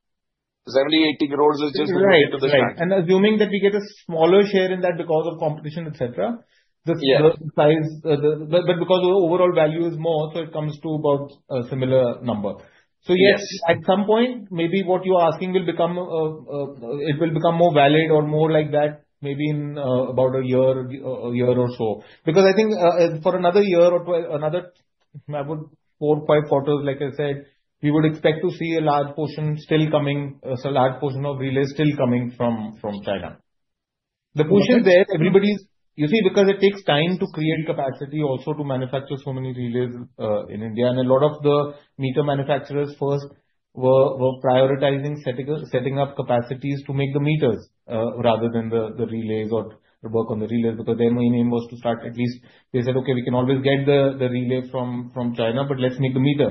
70 crore-80 crore is just related to the shunts. Right. And assuming that we get a smaller share in that because of competition, etc., but because the overall value is more, so it comes to about a similar number. So yes, at some point, maybe what you're asking will become more valid or more like that, maybe in about a year or so. Because I think for another year or so, I would say four, five quarters, like I said, we would expect to see a large portion still coming, a large portion of relays still coming from China. The push is there. You see, because it takes time to create capacity also to manufacture so many relays in India, and a lot of the meter manufacturers first were prioritizing setting up capacities to make the meters rather than the relays or work on the relays because their main aim was to start. At least they said, "Okay, we can always get the relay from China, but let's make the meter."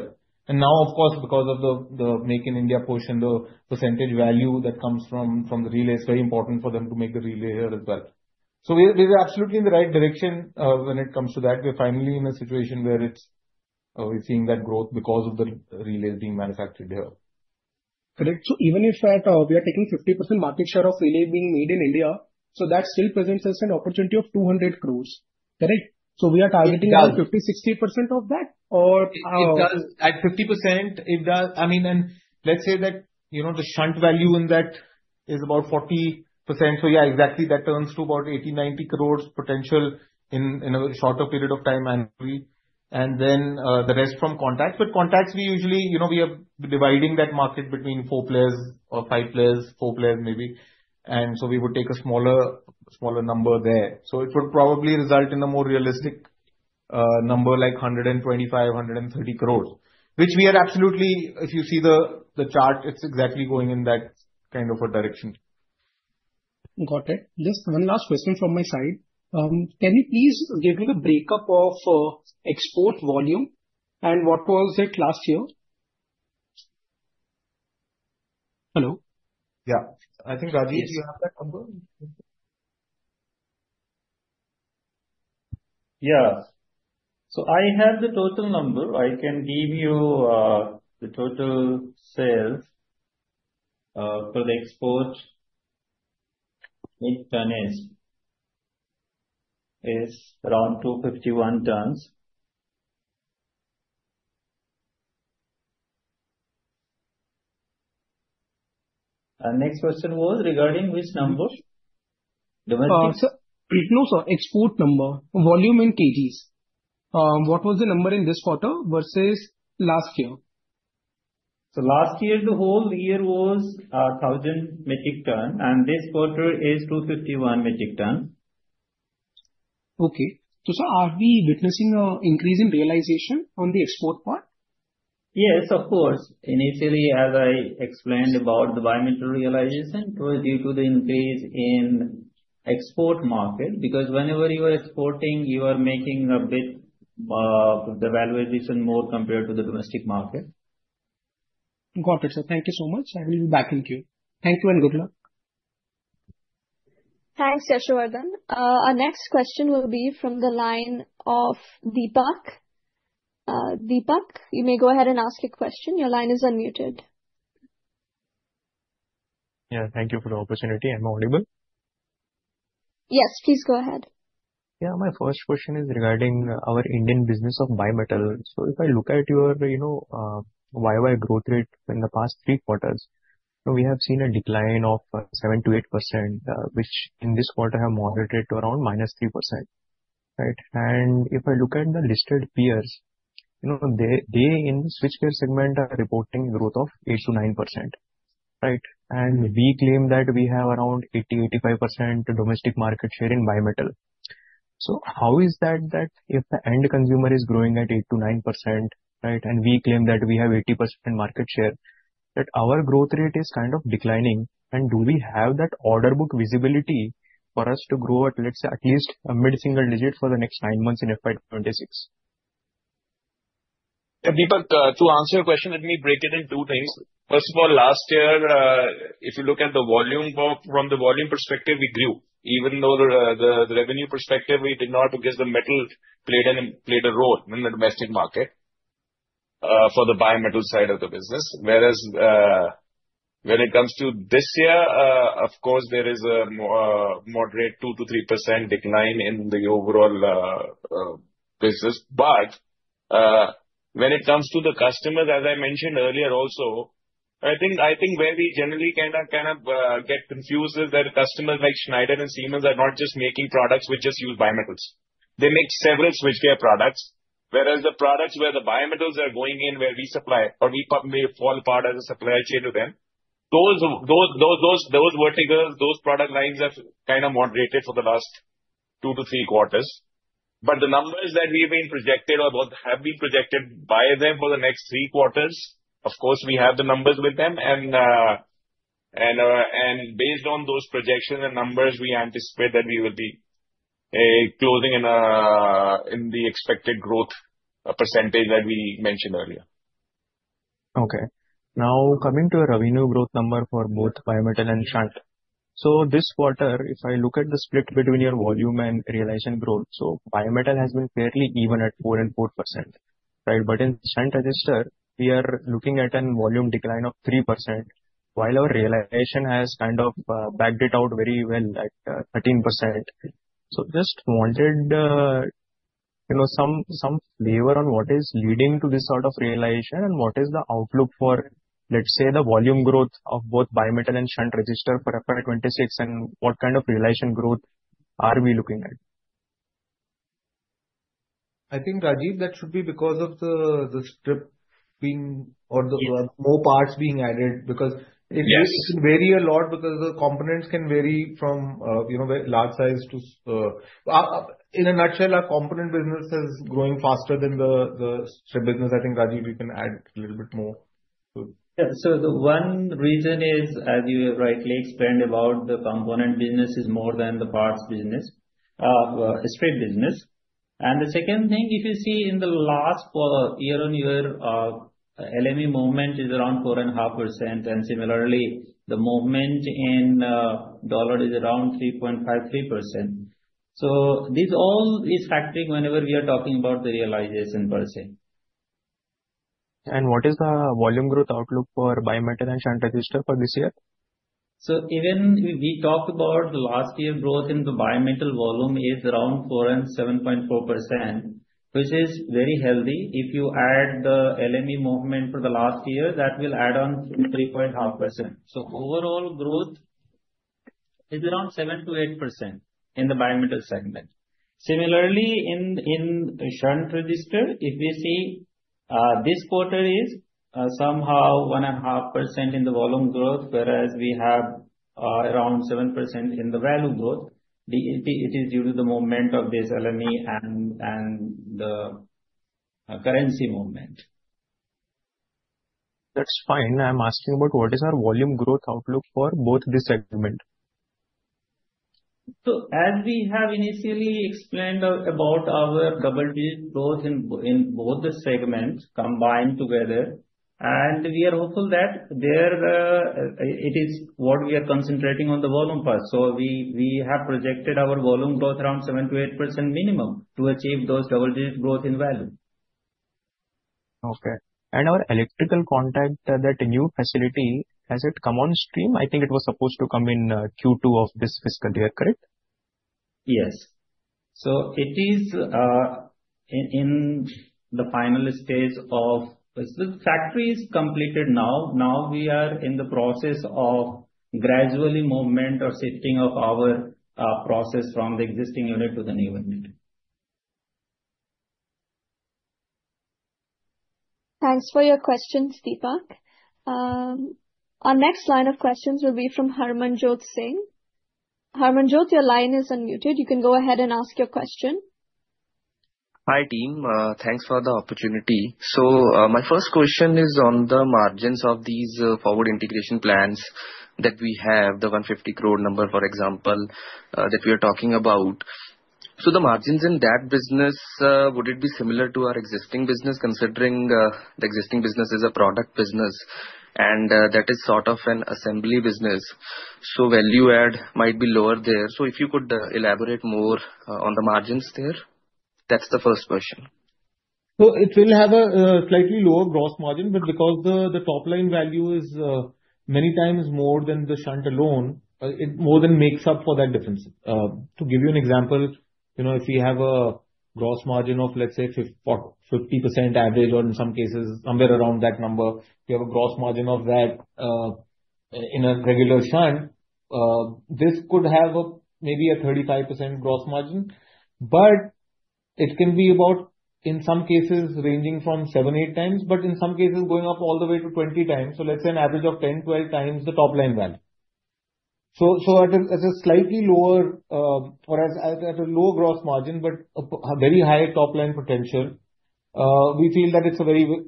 And now, of course, because of the Make in India portion, the percentage value that comes from the relay is very important for them to make the relay here as well. So we're absolutely in the right direction when it comes to that. We're finally in a situation where we're seeing that growth because of the relays being manufactured here. Correct. So even if we are taking 50% market share of relay being made in India, so that still presents us an opportunity of 200 crore. Correct? So we are targeting 50%-60% of that or? It does. At 50%, I mean, and let's say that the shunts value in that is about 40%. So yeah, exactly that turns to about 80 crore-90 crore potential in a shorter period of time annually. And then the rest from contacts. But contacts, we usually are dividing that market between four players or five players, four players maybe. And so we would take a smaller number there. So it would probably result in a more realistic number like 125 crore-130 crore, which we are absolutely if you see the chart, it's exactly going in that kind of a direction. Got it. Just one last question from my side. Can you please give me the break-up of export volume and what was it last year? Hello? Yeah. I think, Rajeev, do you have that number? Yeah. So I have the total number. I can give you the total sales for the export in tonnage is around 251 tons. And next question was regarding which number? Domestic? No, sir. Export number, volume in kgs. What was the number in this quarter versus last year? Last year, the whole year was 1,000 metric tons, and this quarter is 251 metric tons. Okay. So sir, are we witnessing an increase in realization on the export part? Yes, of course. Initially, as I explained about the bimetal realization, it was due to the increase in export market because whenever you are exporting, you are making a bit of the valuation more compared to the domestic market. Got it, sir. Thank you so much. I will be backing you. Thank you and good luck. Thanks, Yashovardhan. Our next question will be from the line of Deepak. Deepak, you may go ahead and ask your question. Your line is unmuted. Yeah. Thank you for the opportunity. I'm audible? Yes, please go ahead. Yeah. My first question is regarding our Indian business of bimetal. So if I look at your YY growth rate in the past three quarters, we have seen a decline of 7%-8%, which in this quarter has moderated to around -3%. Right? And if I look at the listed peers, they in the switchgear segment are reporting growth of 8%-9%. Right? And we claim that we have around 80%-85% domestic market share in bimetal. So how is that that if the end consumer is growing at 8%-9%, right, and we claim that we have 80% market share, that our growth rate is kind of declining? And do we have that order book visibility for us to grow at, let's say, at least a mid-single-digit for the next nine months in FY26? Deepak, to answer your question, let me break it into two things. First of all, last year, if you look at the volume from the volume perspective, we grew. Even though the revenue perspective, we did not, because the metal played a role in the domestic market for the bimetal side of the business. Whereas when it comes to this year, of course, there is a moderate 2%-3% decline in the overall business. But when it comes to the customers, as I mentioned earlier also, I think where we generally kind of get confused is that customers like Schneider and Siemens are not just making products which just use shunts. They make several switchgear products, whereas the products where the shunts are going in, where we supply or we form part of the supply chain to them, those verticals, those product lines have kind of moderated for the last two to three quarters. But the numbers that we have projected or have been projected by them for the next three quarters, of course, we have the numbers with them. And based on those projections and numbers, we anticipate that we will be closing in on the expected growth percentage that we mentioned earlier. Okay. Now, coming to a revenue growth number for both bimetal and shunts. So this quarter, if I look at the split between your volume and realization growth, so bimetal has been fairly even at 4% and 4%. Right? But in shunt resistors, we are looking at a volume decline of 3%, while our realization has kind of backed it out very well at 13%. So just wanted some flavor on what is leading to this sort of realization and what is the outlook for, let's say, the volume growth of both bimetal and shunt resistors for FY26, and what kind of realization growth are we looking at? I think, Rajeev, that should be because of the strip being or the more parts being added because it can vary a lot because the components can vary from large size to in a nutshell, our component business is growing faster than the strip business. I think, Rajeev, you can add a little bit more. Yeah. So the one reason is, as you rightly explained about the component business is more than the parts business, strip business. And the second thing, if you see in the last year-on-year, LME movement is around 4.5%, and similarly, the movement in dollar is around 3.53%. So this all is factoring whenever we are talking about the realization per se. What is the volume growth outlook for bimetal and shunt resistors for this year? Even as we talked about, the last year growth in the bimetal volume is around 4% and 7.4%, which is very healthy. If you add the LME movement for the last year, that will add on 3.5%. Overall growth is around 7%-8% in the bimetal segment. Similarly, shunt resistors, if we see this quarter is somewhat 1.5% in the volume growth, whereas we have around 7% in the value growth, it is due to the movement of this LME and the currency movement. That's fine. I'm asking about what is our volume growth outlook for both this segment? So as we have initially explained about our double-digit growth in both the segments combined together, and we are hopeful that it is what we are concentrating on the volume part. So we have projected our volume growth around 7%-8% minimum to achieve those double-digit growth in value. Okay. And our electrical contacts at that new facility, has it come on stream? I think it was supposed to come in Q2 of this fiscal year. Correct? Yes. So it is in the final stage of factories completed now. Now we are in the process of gradually movement or shifting of our process from the existing unit to the new unit. Thanks for your questions, Deepak. Our next line of questions will be from Harmanjot Singh. Harmanjot, your line is unmuted. You can go ahead and ask your question. Hi, team. Thanks for the opportunity. So my first question is on the margins of these forward integration plans that we have, the 150 crore number, for example, that we are talking about. So the margins in that business, would it be similar to our existing business, considering the existing business is a product business and that is sort of an assembly business? So value add might be lower there. So if you could elaborate more on the margins there, that's the first question. So it will have a slightly lower gross margin, but because the top-line value is many times more than the shunts alone, it more than makes up for that difference. To give you an example, if we have a gross margin of, let's say, 50% average, or in some cases, somewhere around that number, we have a gross margin of that in a regular shunts, this could have maybe a 35% gross margin, but it can be about, in some cases, ranging from 7-8x, but in some cases, going up all the way to 20x. So let's say an average of 10-12x the top-line value. So at a slightly lower or at a lower gross margin, but a very high top-line potential, we feel that it's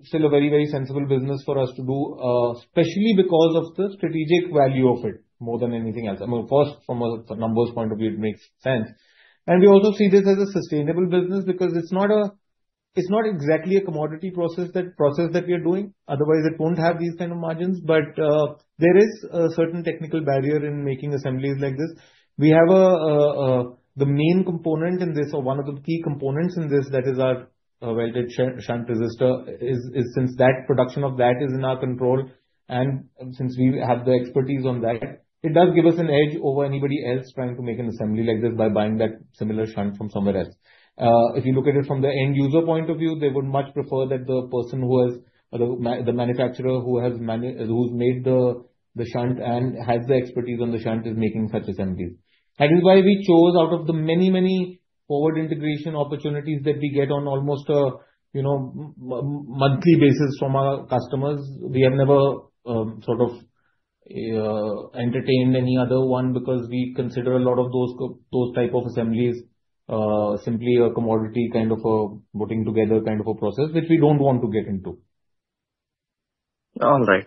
still a very, very sensible business for us to do, especially because of the strategic value of it more than anything else. I mean, first, from a numbers point of view, it makes sense. And we also see this as a sustainable business because it's not exactly a commodity process that we are doing. Otherwise, it won't have these kind of margins, but there is a certain technical barrier in making assemblies like this. We have the main component in this, or one of the key components in this, that is our shunt resistors, since that production of that is in our control. Since we have the expertise on that, it does give us an edge over anybody else trying to make an assembly like this by buying that similar shunt from somewhere else. If you look at it from the end user point of view, they would much prefer that the person who has the manufacturer who has made the shunt and has the expertise on the shunt is making such assemblies. That is why we chose out of the many, many forward integration opportunities that we get on almost a monthly basis from our customers. We have never sort of entertained any other one because we consider a lot of those type of assemblies simply a commodity kind of a putting together kind of a process, which we don't want to get into. All right.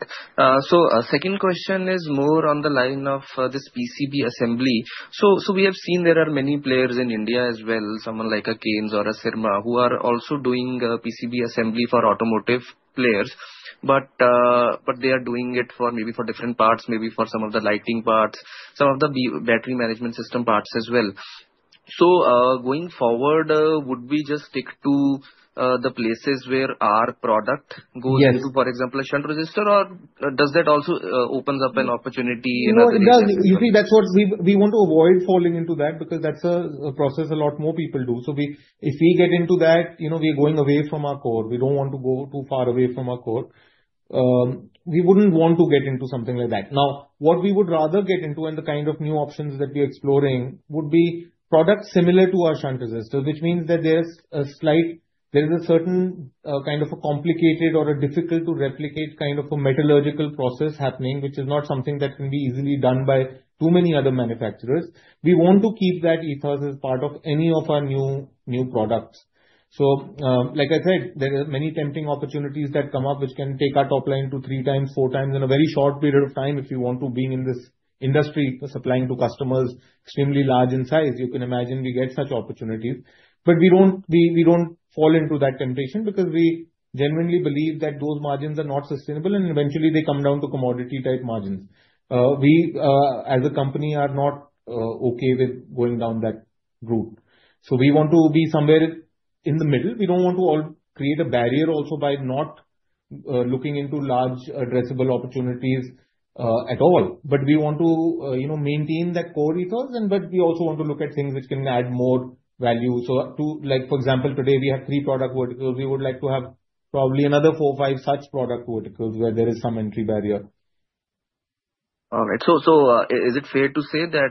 So second question is more on the line of this PCB assembly. So we have seen there are many players in India as well, someone like a Kaynes or a Syrma who are also doing PCB assembly for automotive players, but they are doing it maybe for different parts, maybe for some of the lighting parts, some of the battery management system parts as well. So going forward, would we just stick to the places where our product goes into, for example, a shunt resistor, or does that also open up an opportunity in other industries? No, it does. You see, that's what we want to avoid falling into that because that's a process a lot more people do. So if we get into that, we are going away from our core. We don't want to go too far away from our core. We wouldn't want to get into something like that. Now, what we would rather get into and the kind of new options that we are exploring would be products similar to shunt resistors, which means that there is a certain kind of a complicated or a difficult-to-replicate kind of a metallurgical process happening, which is not something that can be easily done by too many other manufacturers. We want to keep that ethos as part of any of our new products. So like I said, there are many tempting opportunities that come up, which can take our top-line 2-3x, 4x in a very short period of time if you want to be in this industry supplying to customers extremely large in size. You can imagine we get such opportunities. But we don't fall into that temptation because we genuinely believe that those margins are not sustainable, and eventually, they come down to commodity-type margins. We, as a company, are not okay with going down that route. So we want to be somewhere in the middle. We don't want to create a barrier also by not looking into large addressable opportunities at all. But we want to maintain that core ethos, but we also want to look at things which can add more value. So for example, today, we have three product verticals. We would like to have probably another four or five such product verticals where there is some entry barrier. All right. So is it fair to say that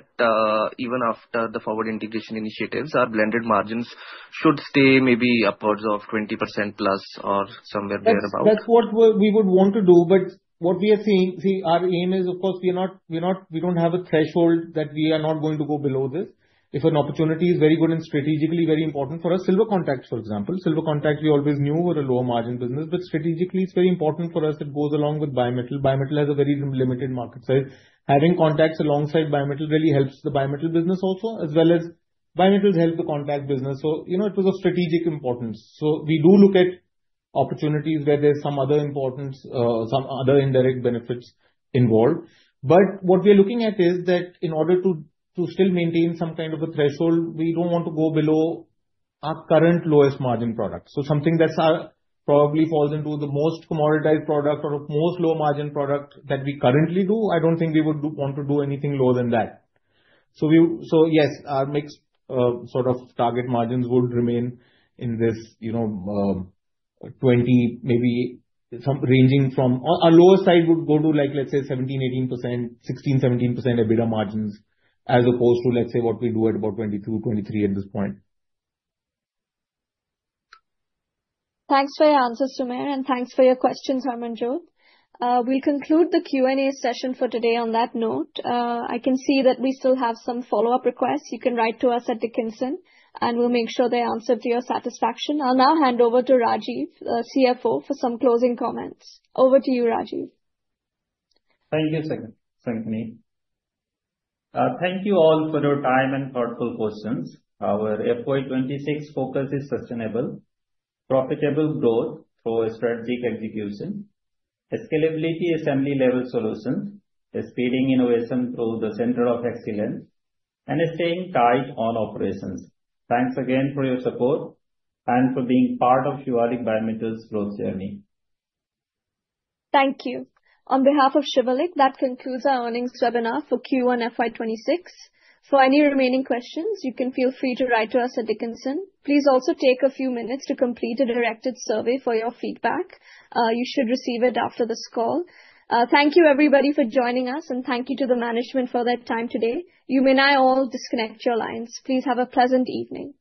even after the forward integration initiatives, our blended margins should stay maybe upwards of 20%+ or somewhere thereabout? That's what we would want to do. But what we are seeing, see, our aim is, of course, we don't have a threshold that we are not going to go below this. If an opportunity is very good and strategically very important for us, Silver contacts, for example. Silver contacts, we always knew were a lower-margin business, but strategically, it's very important for us. It goes along with bimetal. Bimetal has a very limited market size. Having contacts alongside bimetal really helps the bimetal business also, as well as bimetal help the contact business. So it was of strategic importance. So we do look at opportunities where there's some other importance, some other indirect benefits involved. But what we are looking at is that in order to still maintain some kind of a threshold, we don't want to go below our current lowest margin product. So something that probably falls into the most commoditized product or most low-margin product that we currently do. I don't think we would want to do anything lower than that. So yes, our mixed sort of target margins would remain in this 20%, maybe ranging from our lower side would go to, let's say, 17%-18%, 16%-17% EBITDA margins, as opposed to, let's say, what we do at about 22%-23% at this point. Thanks for your answers, Sumer, and thanks for your questions, Harmanjot. We'll conclude the Q&A session for today on that note. I can see that we still have some follow-up requests. You can write to us at Dickenson, and we'll make sure they answer to your satisfaction. I'll now hand over to Rajeev, CFO, for some closing comments. Over to you, Rajeev. Thank you, Shankhini. Thank you all for your time and thoughtful questions. Our FY26 focus is sustainable, profitable growth through strategic execution, scalability assembly-level solutions, speeding innovation through the Centre of Excellence, and staying tight on operations. Thanks again for your support and for being part of Shivalik Bimetal's growth journey. Thank you. On behalf of Shivalik, that concludes our Earnings Webinar for Q1 FY26. For any remaining questions, you can feel free to write to us at Dickenson. Please also take a few minutes to complete a directed survey for your feedback. You should receive it after this call. Thank you, everybody, for joining us, and thank you to the management for their time today. You may now all disconnect your lines. Please have a pleasant evening.